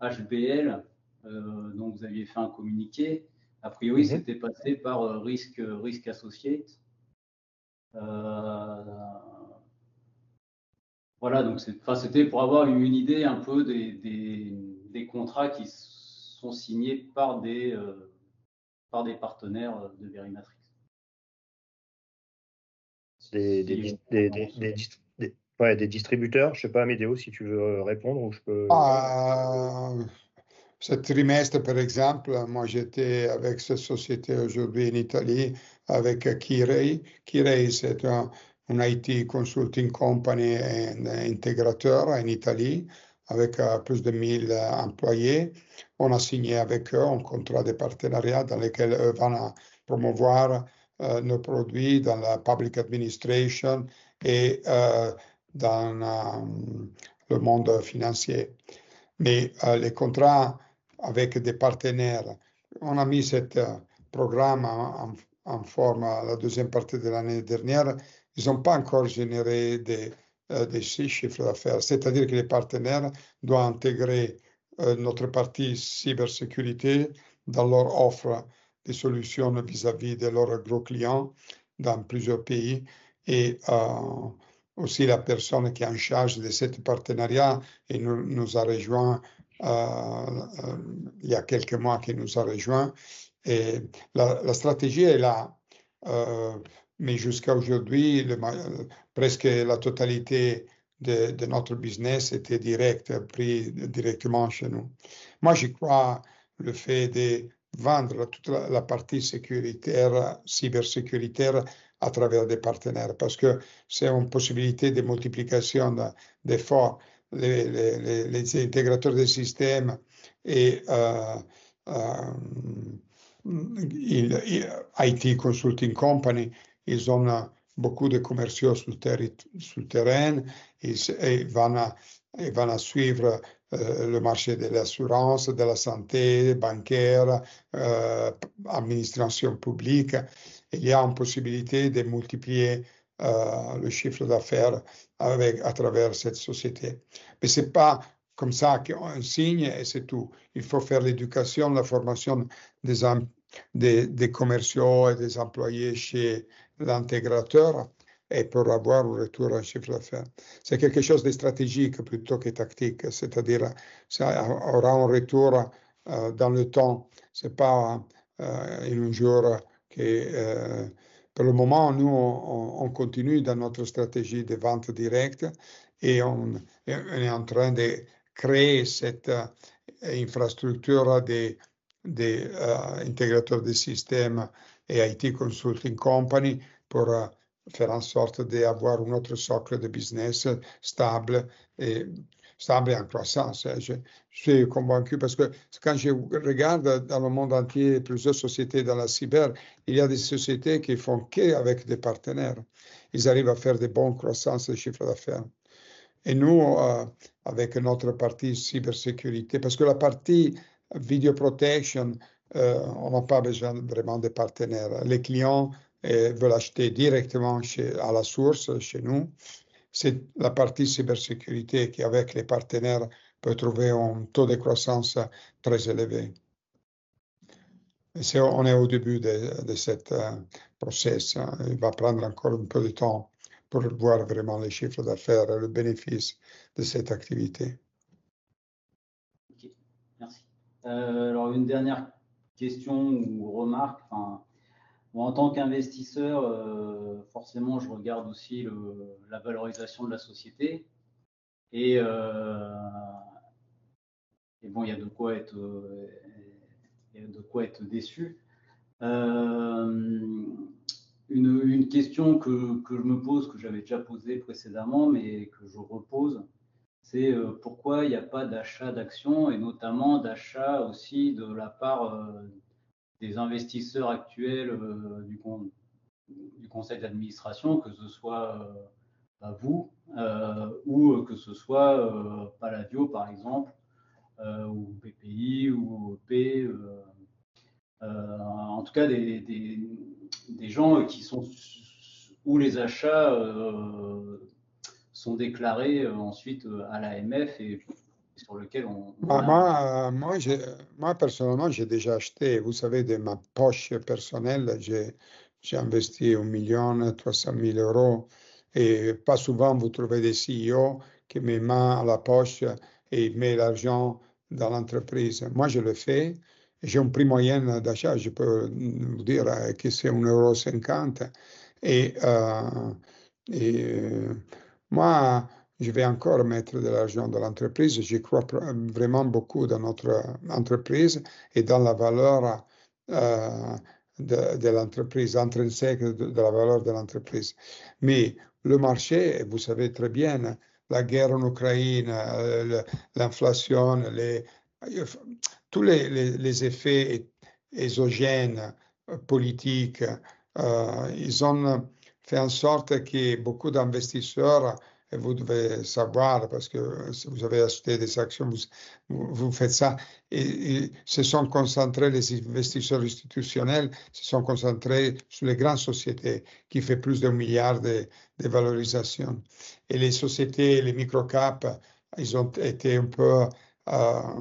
HBL, donc vous aviez fait un communiqué. A priori, c'était passé par Risque Associates. Voilà, donc c'était pour avoir une idée un peu des contrats qui sont signés par des partenaires de Verimatrix. Des distributeurs? Je ne sais pas, Amedeo, si tu veux répondre ou je peux- Ce trimestre, par exemple, j'étais avec cette société aujourd'hui en Italie, avec Kirei. Kirei, c'est un IT consulting company, un intégrateur en Italie, avec plus de mille employés. On a signé avec eux un contrat de partenariat dans lequel eux vont promouvoir nos produits dans la public administration et dans le monde financier. Mais les contrats avec des partenaires, on a mis ce programme en forme la deuxième partie de l'année dernière. Ils n'ont pas encore généré de chiffres d'affaires. C'est-à-dire que les partenaires doivent intégrer notre partie cybersécurité dans leur offre de solutions vis-à-vis de leurs gros clients dans plusieurs pays. Et aussi, la personne qui est en charge de ce partenariat nous a rejoints il y a quelques mois. Et là, la stratégie est là, mais jusqu'à aujourd'hui, le marché, presque la totalité de notre business était direct, pris directement chez nous. Moi, j'y crois, le fait de vendre toute la partie sécuritaire, cybersécuritaire, à travers des partenaires, parce que c'est une possibilité de multiplication d'efforts. Les intégrateurs de système et IT Consulting Company, ils ont beaucoup de commerciaux sur le terrain. Ils vont suivre le marché de l'assurance, de la santé, bancaire, administration publique. Il y a une possibilité de multiplier le chiffre d'affaires avec, à travers cette société. Mais ce n'est pas comme ça qu'on signe et c'est tout. Il faut faire l'éducation, la formation des commerciaux et des employés chez l'intégrateur, et pour avoir un retour à chiffre d'affaires. C'est quelque chose de stratégique plutôt que tactique, c'est-à-dire, ça aura un retour dans le temps. Ce n'est pas en un jour que... Pour le moment, nous, on continue dans notre stratégie de vente directe et on est en train de créer cette infrastructure des intégrateurs de systèmes et IT Consulting Company, pour faire en sorte d'avoir un autre socle de business stable et en croissance. Je suis convaincu parce que quand je regarde dans le monde entier, plusieurs sociétés dans la cyber, il y a des sociétés qui font qu'avec des partenaires, ils arrivent à faire des bonnes croissances de chiffre d'affaires. Et nous, avec notre partie cybersécurité, parce que la partie Video Protection, on n'a pas besoin vraiment des partenaires. Les clients veulent acheter directement chez, à la source, chez nous. C'est la partie cybersécurité qui, avec les partenaires, peut trouver un taux de croissance très élevé. On est au début de ce processus. Il va prendre encore un peu de temps pour voir vraiment les chiffres d'affaires, le bénéfice de cette activité. Ok, merci. Alors une dernière question ou remarque. Moi, en tant qu'investisseur, forcément, je regarde aussi la valorisation de la société. Et il y a de quoi être déçu. Une question que je me pose, que j'avais déjà posée précédemment, mais que je repose, c'est: pourquoi il n'y a pas d'achat d'actions et notamment d'achat aussi de la part des investisseurs actuels du conseil d'administration, que ce soit vous, ou que ce soit Palladio, par exemple, ou BPI, ou PE. En tout cas, des gens qui sont... où les achats sont déclarés ensuite à l'AMF et sur lesquels on- Moi, personnellement, j'ai déjà acheté. Vous savez, de ma poche personnelle, j'ai investi 1,3 million d'euros. Pas souvent, vous trouvez des PDG qui mettent main à la poche et mettent l'argent dans l'entreprise. Moi, je le fais. J'ai un prix moyen d'achat, je peux vous dire que c'est 1,50 €. Moi, je vais encore mettre de l'argent dans l'entreprise. Je crois vraiment beaucoup dans notre entreprise et dans la valeur de l'entreprise, intrinsèque de la valeur de l'entreprise. Mais le marché, vous savez très bien, la guerre en Ukraine, l'inflation, tous les effets... Exogène, politique, ils ont fait en sorte que beaucoup d'investisseurs, et vous devez savoir, parce que si vous avez acheté des actions, vous faites ça, et se sont concentrés, les investisseurs institutionnels se sont concentrés sur les grandes sociétés, qui fait plus d'un milliard de valorisation. Les sociétés, les micro caps, ils ont été un peu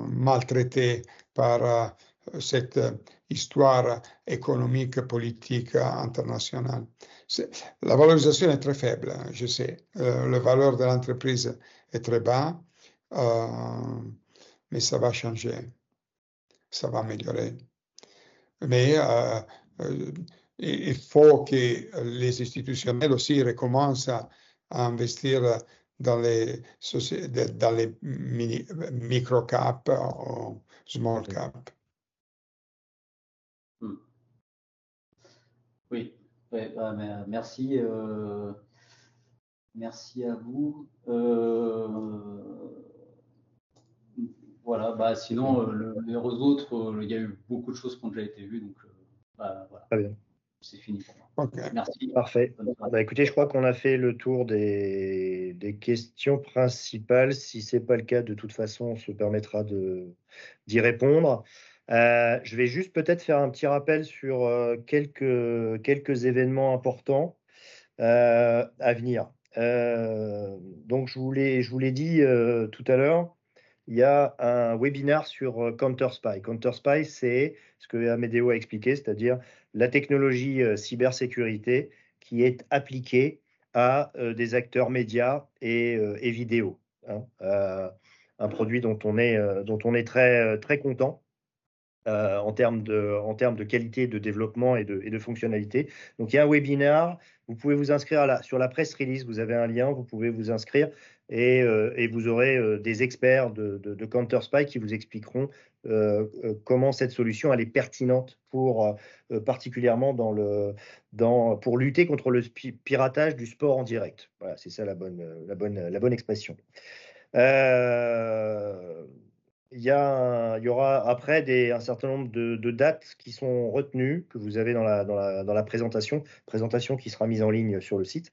maltraités par cette histoire économique, politique, internationale. C'est la valorisation est très faible, je sais. La valeur de l'entreprise est très bas, mais ça va changer, ça va améliorer. Il faut que les institutionnels aussi recommencent à investir dans les sociétés, dans les mini, micro cap ou small cap. Oui, merci. Merci à vous. Voilà. Sinon, les autres, il y a eu beaucoup de choses qui ont déjà été vues, donc voilà. Très bien. C'est fini pour moi. Merci. Parfait. Écoutez, je crois qu'on a fait le tour des questions principales. Si ce n'est pas le cas, de toute façon, on se permettra d'y répondre. Je vais juste peut-être faire un petit rappel sur quelques événements importants à venir. Donc, je vous l'ai dit tout à l'heure, il y a un webinar sur CounterSpy. CounterSpy, c'est ce qu'Amedeo a expliqué, c'est-à-dire la technologie cybersécurité qui est appliquée à des acteurs médias et vidéo. Un produit dont on est très, très content en termes de qualité, de développement et de fonctionnalités. Donc, il y a un webinar. Vous pouvez vous inscrire à la, sur la press release, vous avez un lien, vous pouvez vous inscrire et vous aurez des experts de CounterSpy qui vous expliqueront comment cette solution, elle est pertinente pour, particulièrement dans le, dans, pour lutter contre le piratage du sport en direct. Voilà, c'est ça la bonne expression. Il y a, il y aura après un certain nombre de dates qui sont retenues, que vous avez dans la présentation. Présentation qui sera mise en ligne sur le site.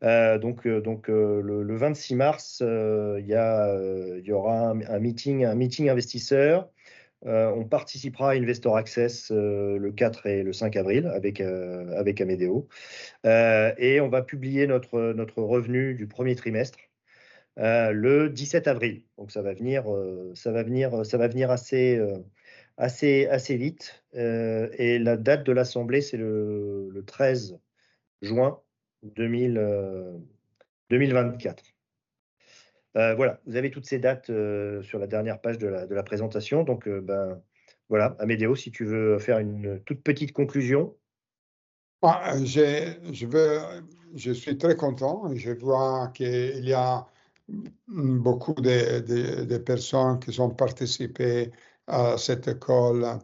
Donc, le 26 mars, il y a, il y aura un meeting, un meeting investisseur. On participera à Investor Access le 4 et le 5 avril avec Amedeo. Et on va publier notre revenu du premier trimestre le 17 avril. Donc ça va venir assez vite. Et la date de l'assemblée, c'est le 13 juin 2024. Voilà, vous avez toutes ces dates sur la dernière page de la présentation. Donc, ben voilà. Amedeo, si tu veux faire une toute petite conclusion. Ah, j'ai, je veux-- je suis très content. Je vois qu'il y a beaucoup de personnes qui ont participé à cet appel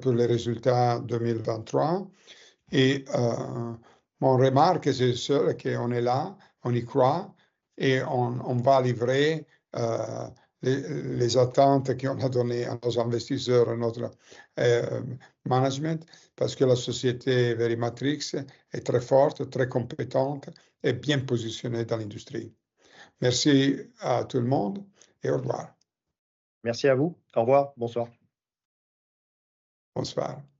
pour les résultats 2023. Et mon remarque, c'est sûr qu'on est là, on y croit et on va livrer les attentes qu'on a données à nos investisseurs, à notre management, parce que la société Verimatchix est très forte, très compétente et bien positionnée dans l'industrie. Merci à tout le monde et au revoir. Merci à vous. Au revoir, bonsoir. Bonsoir. Bien.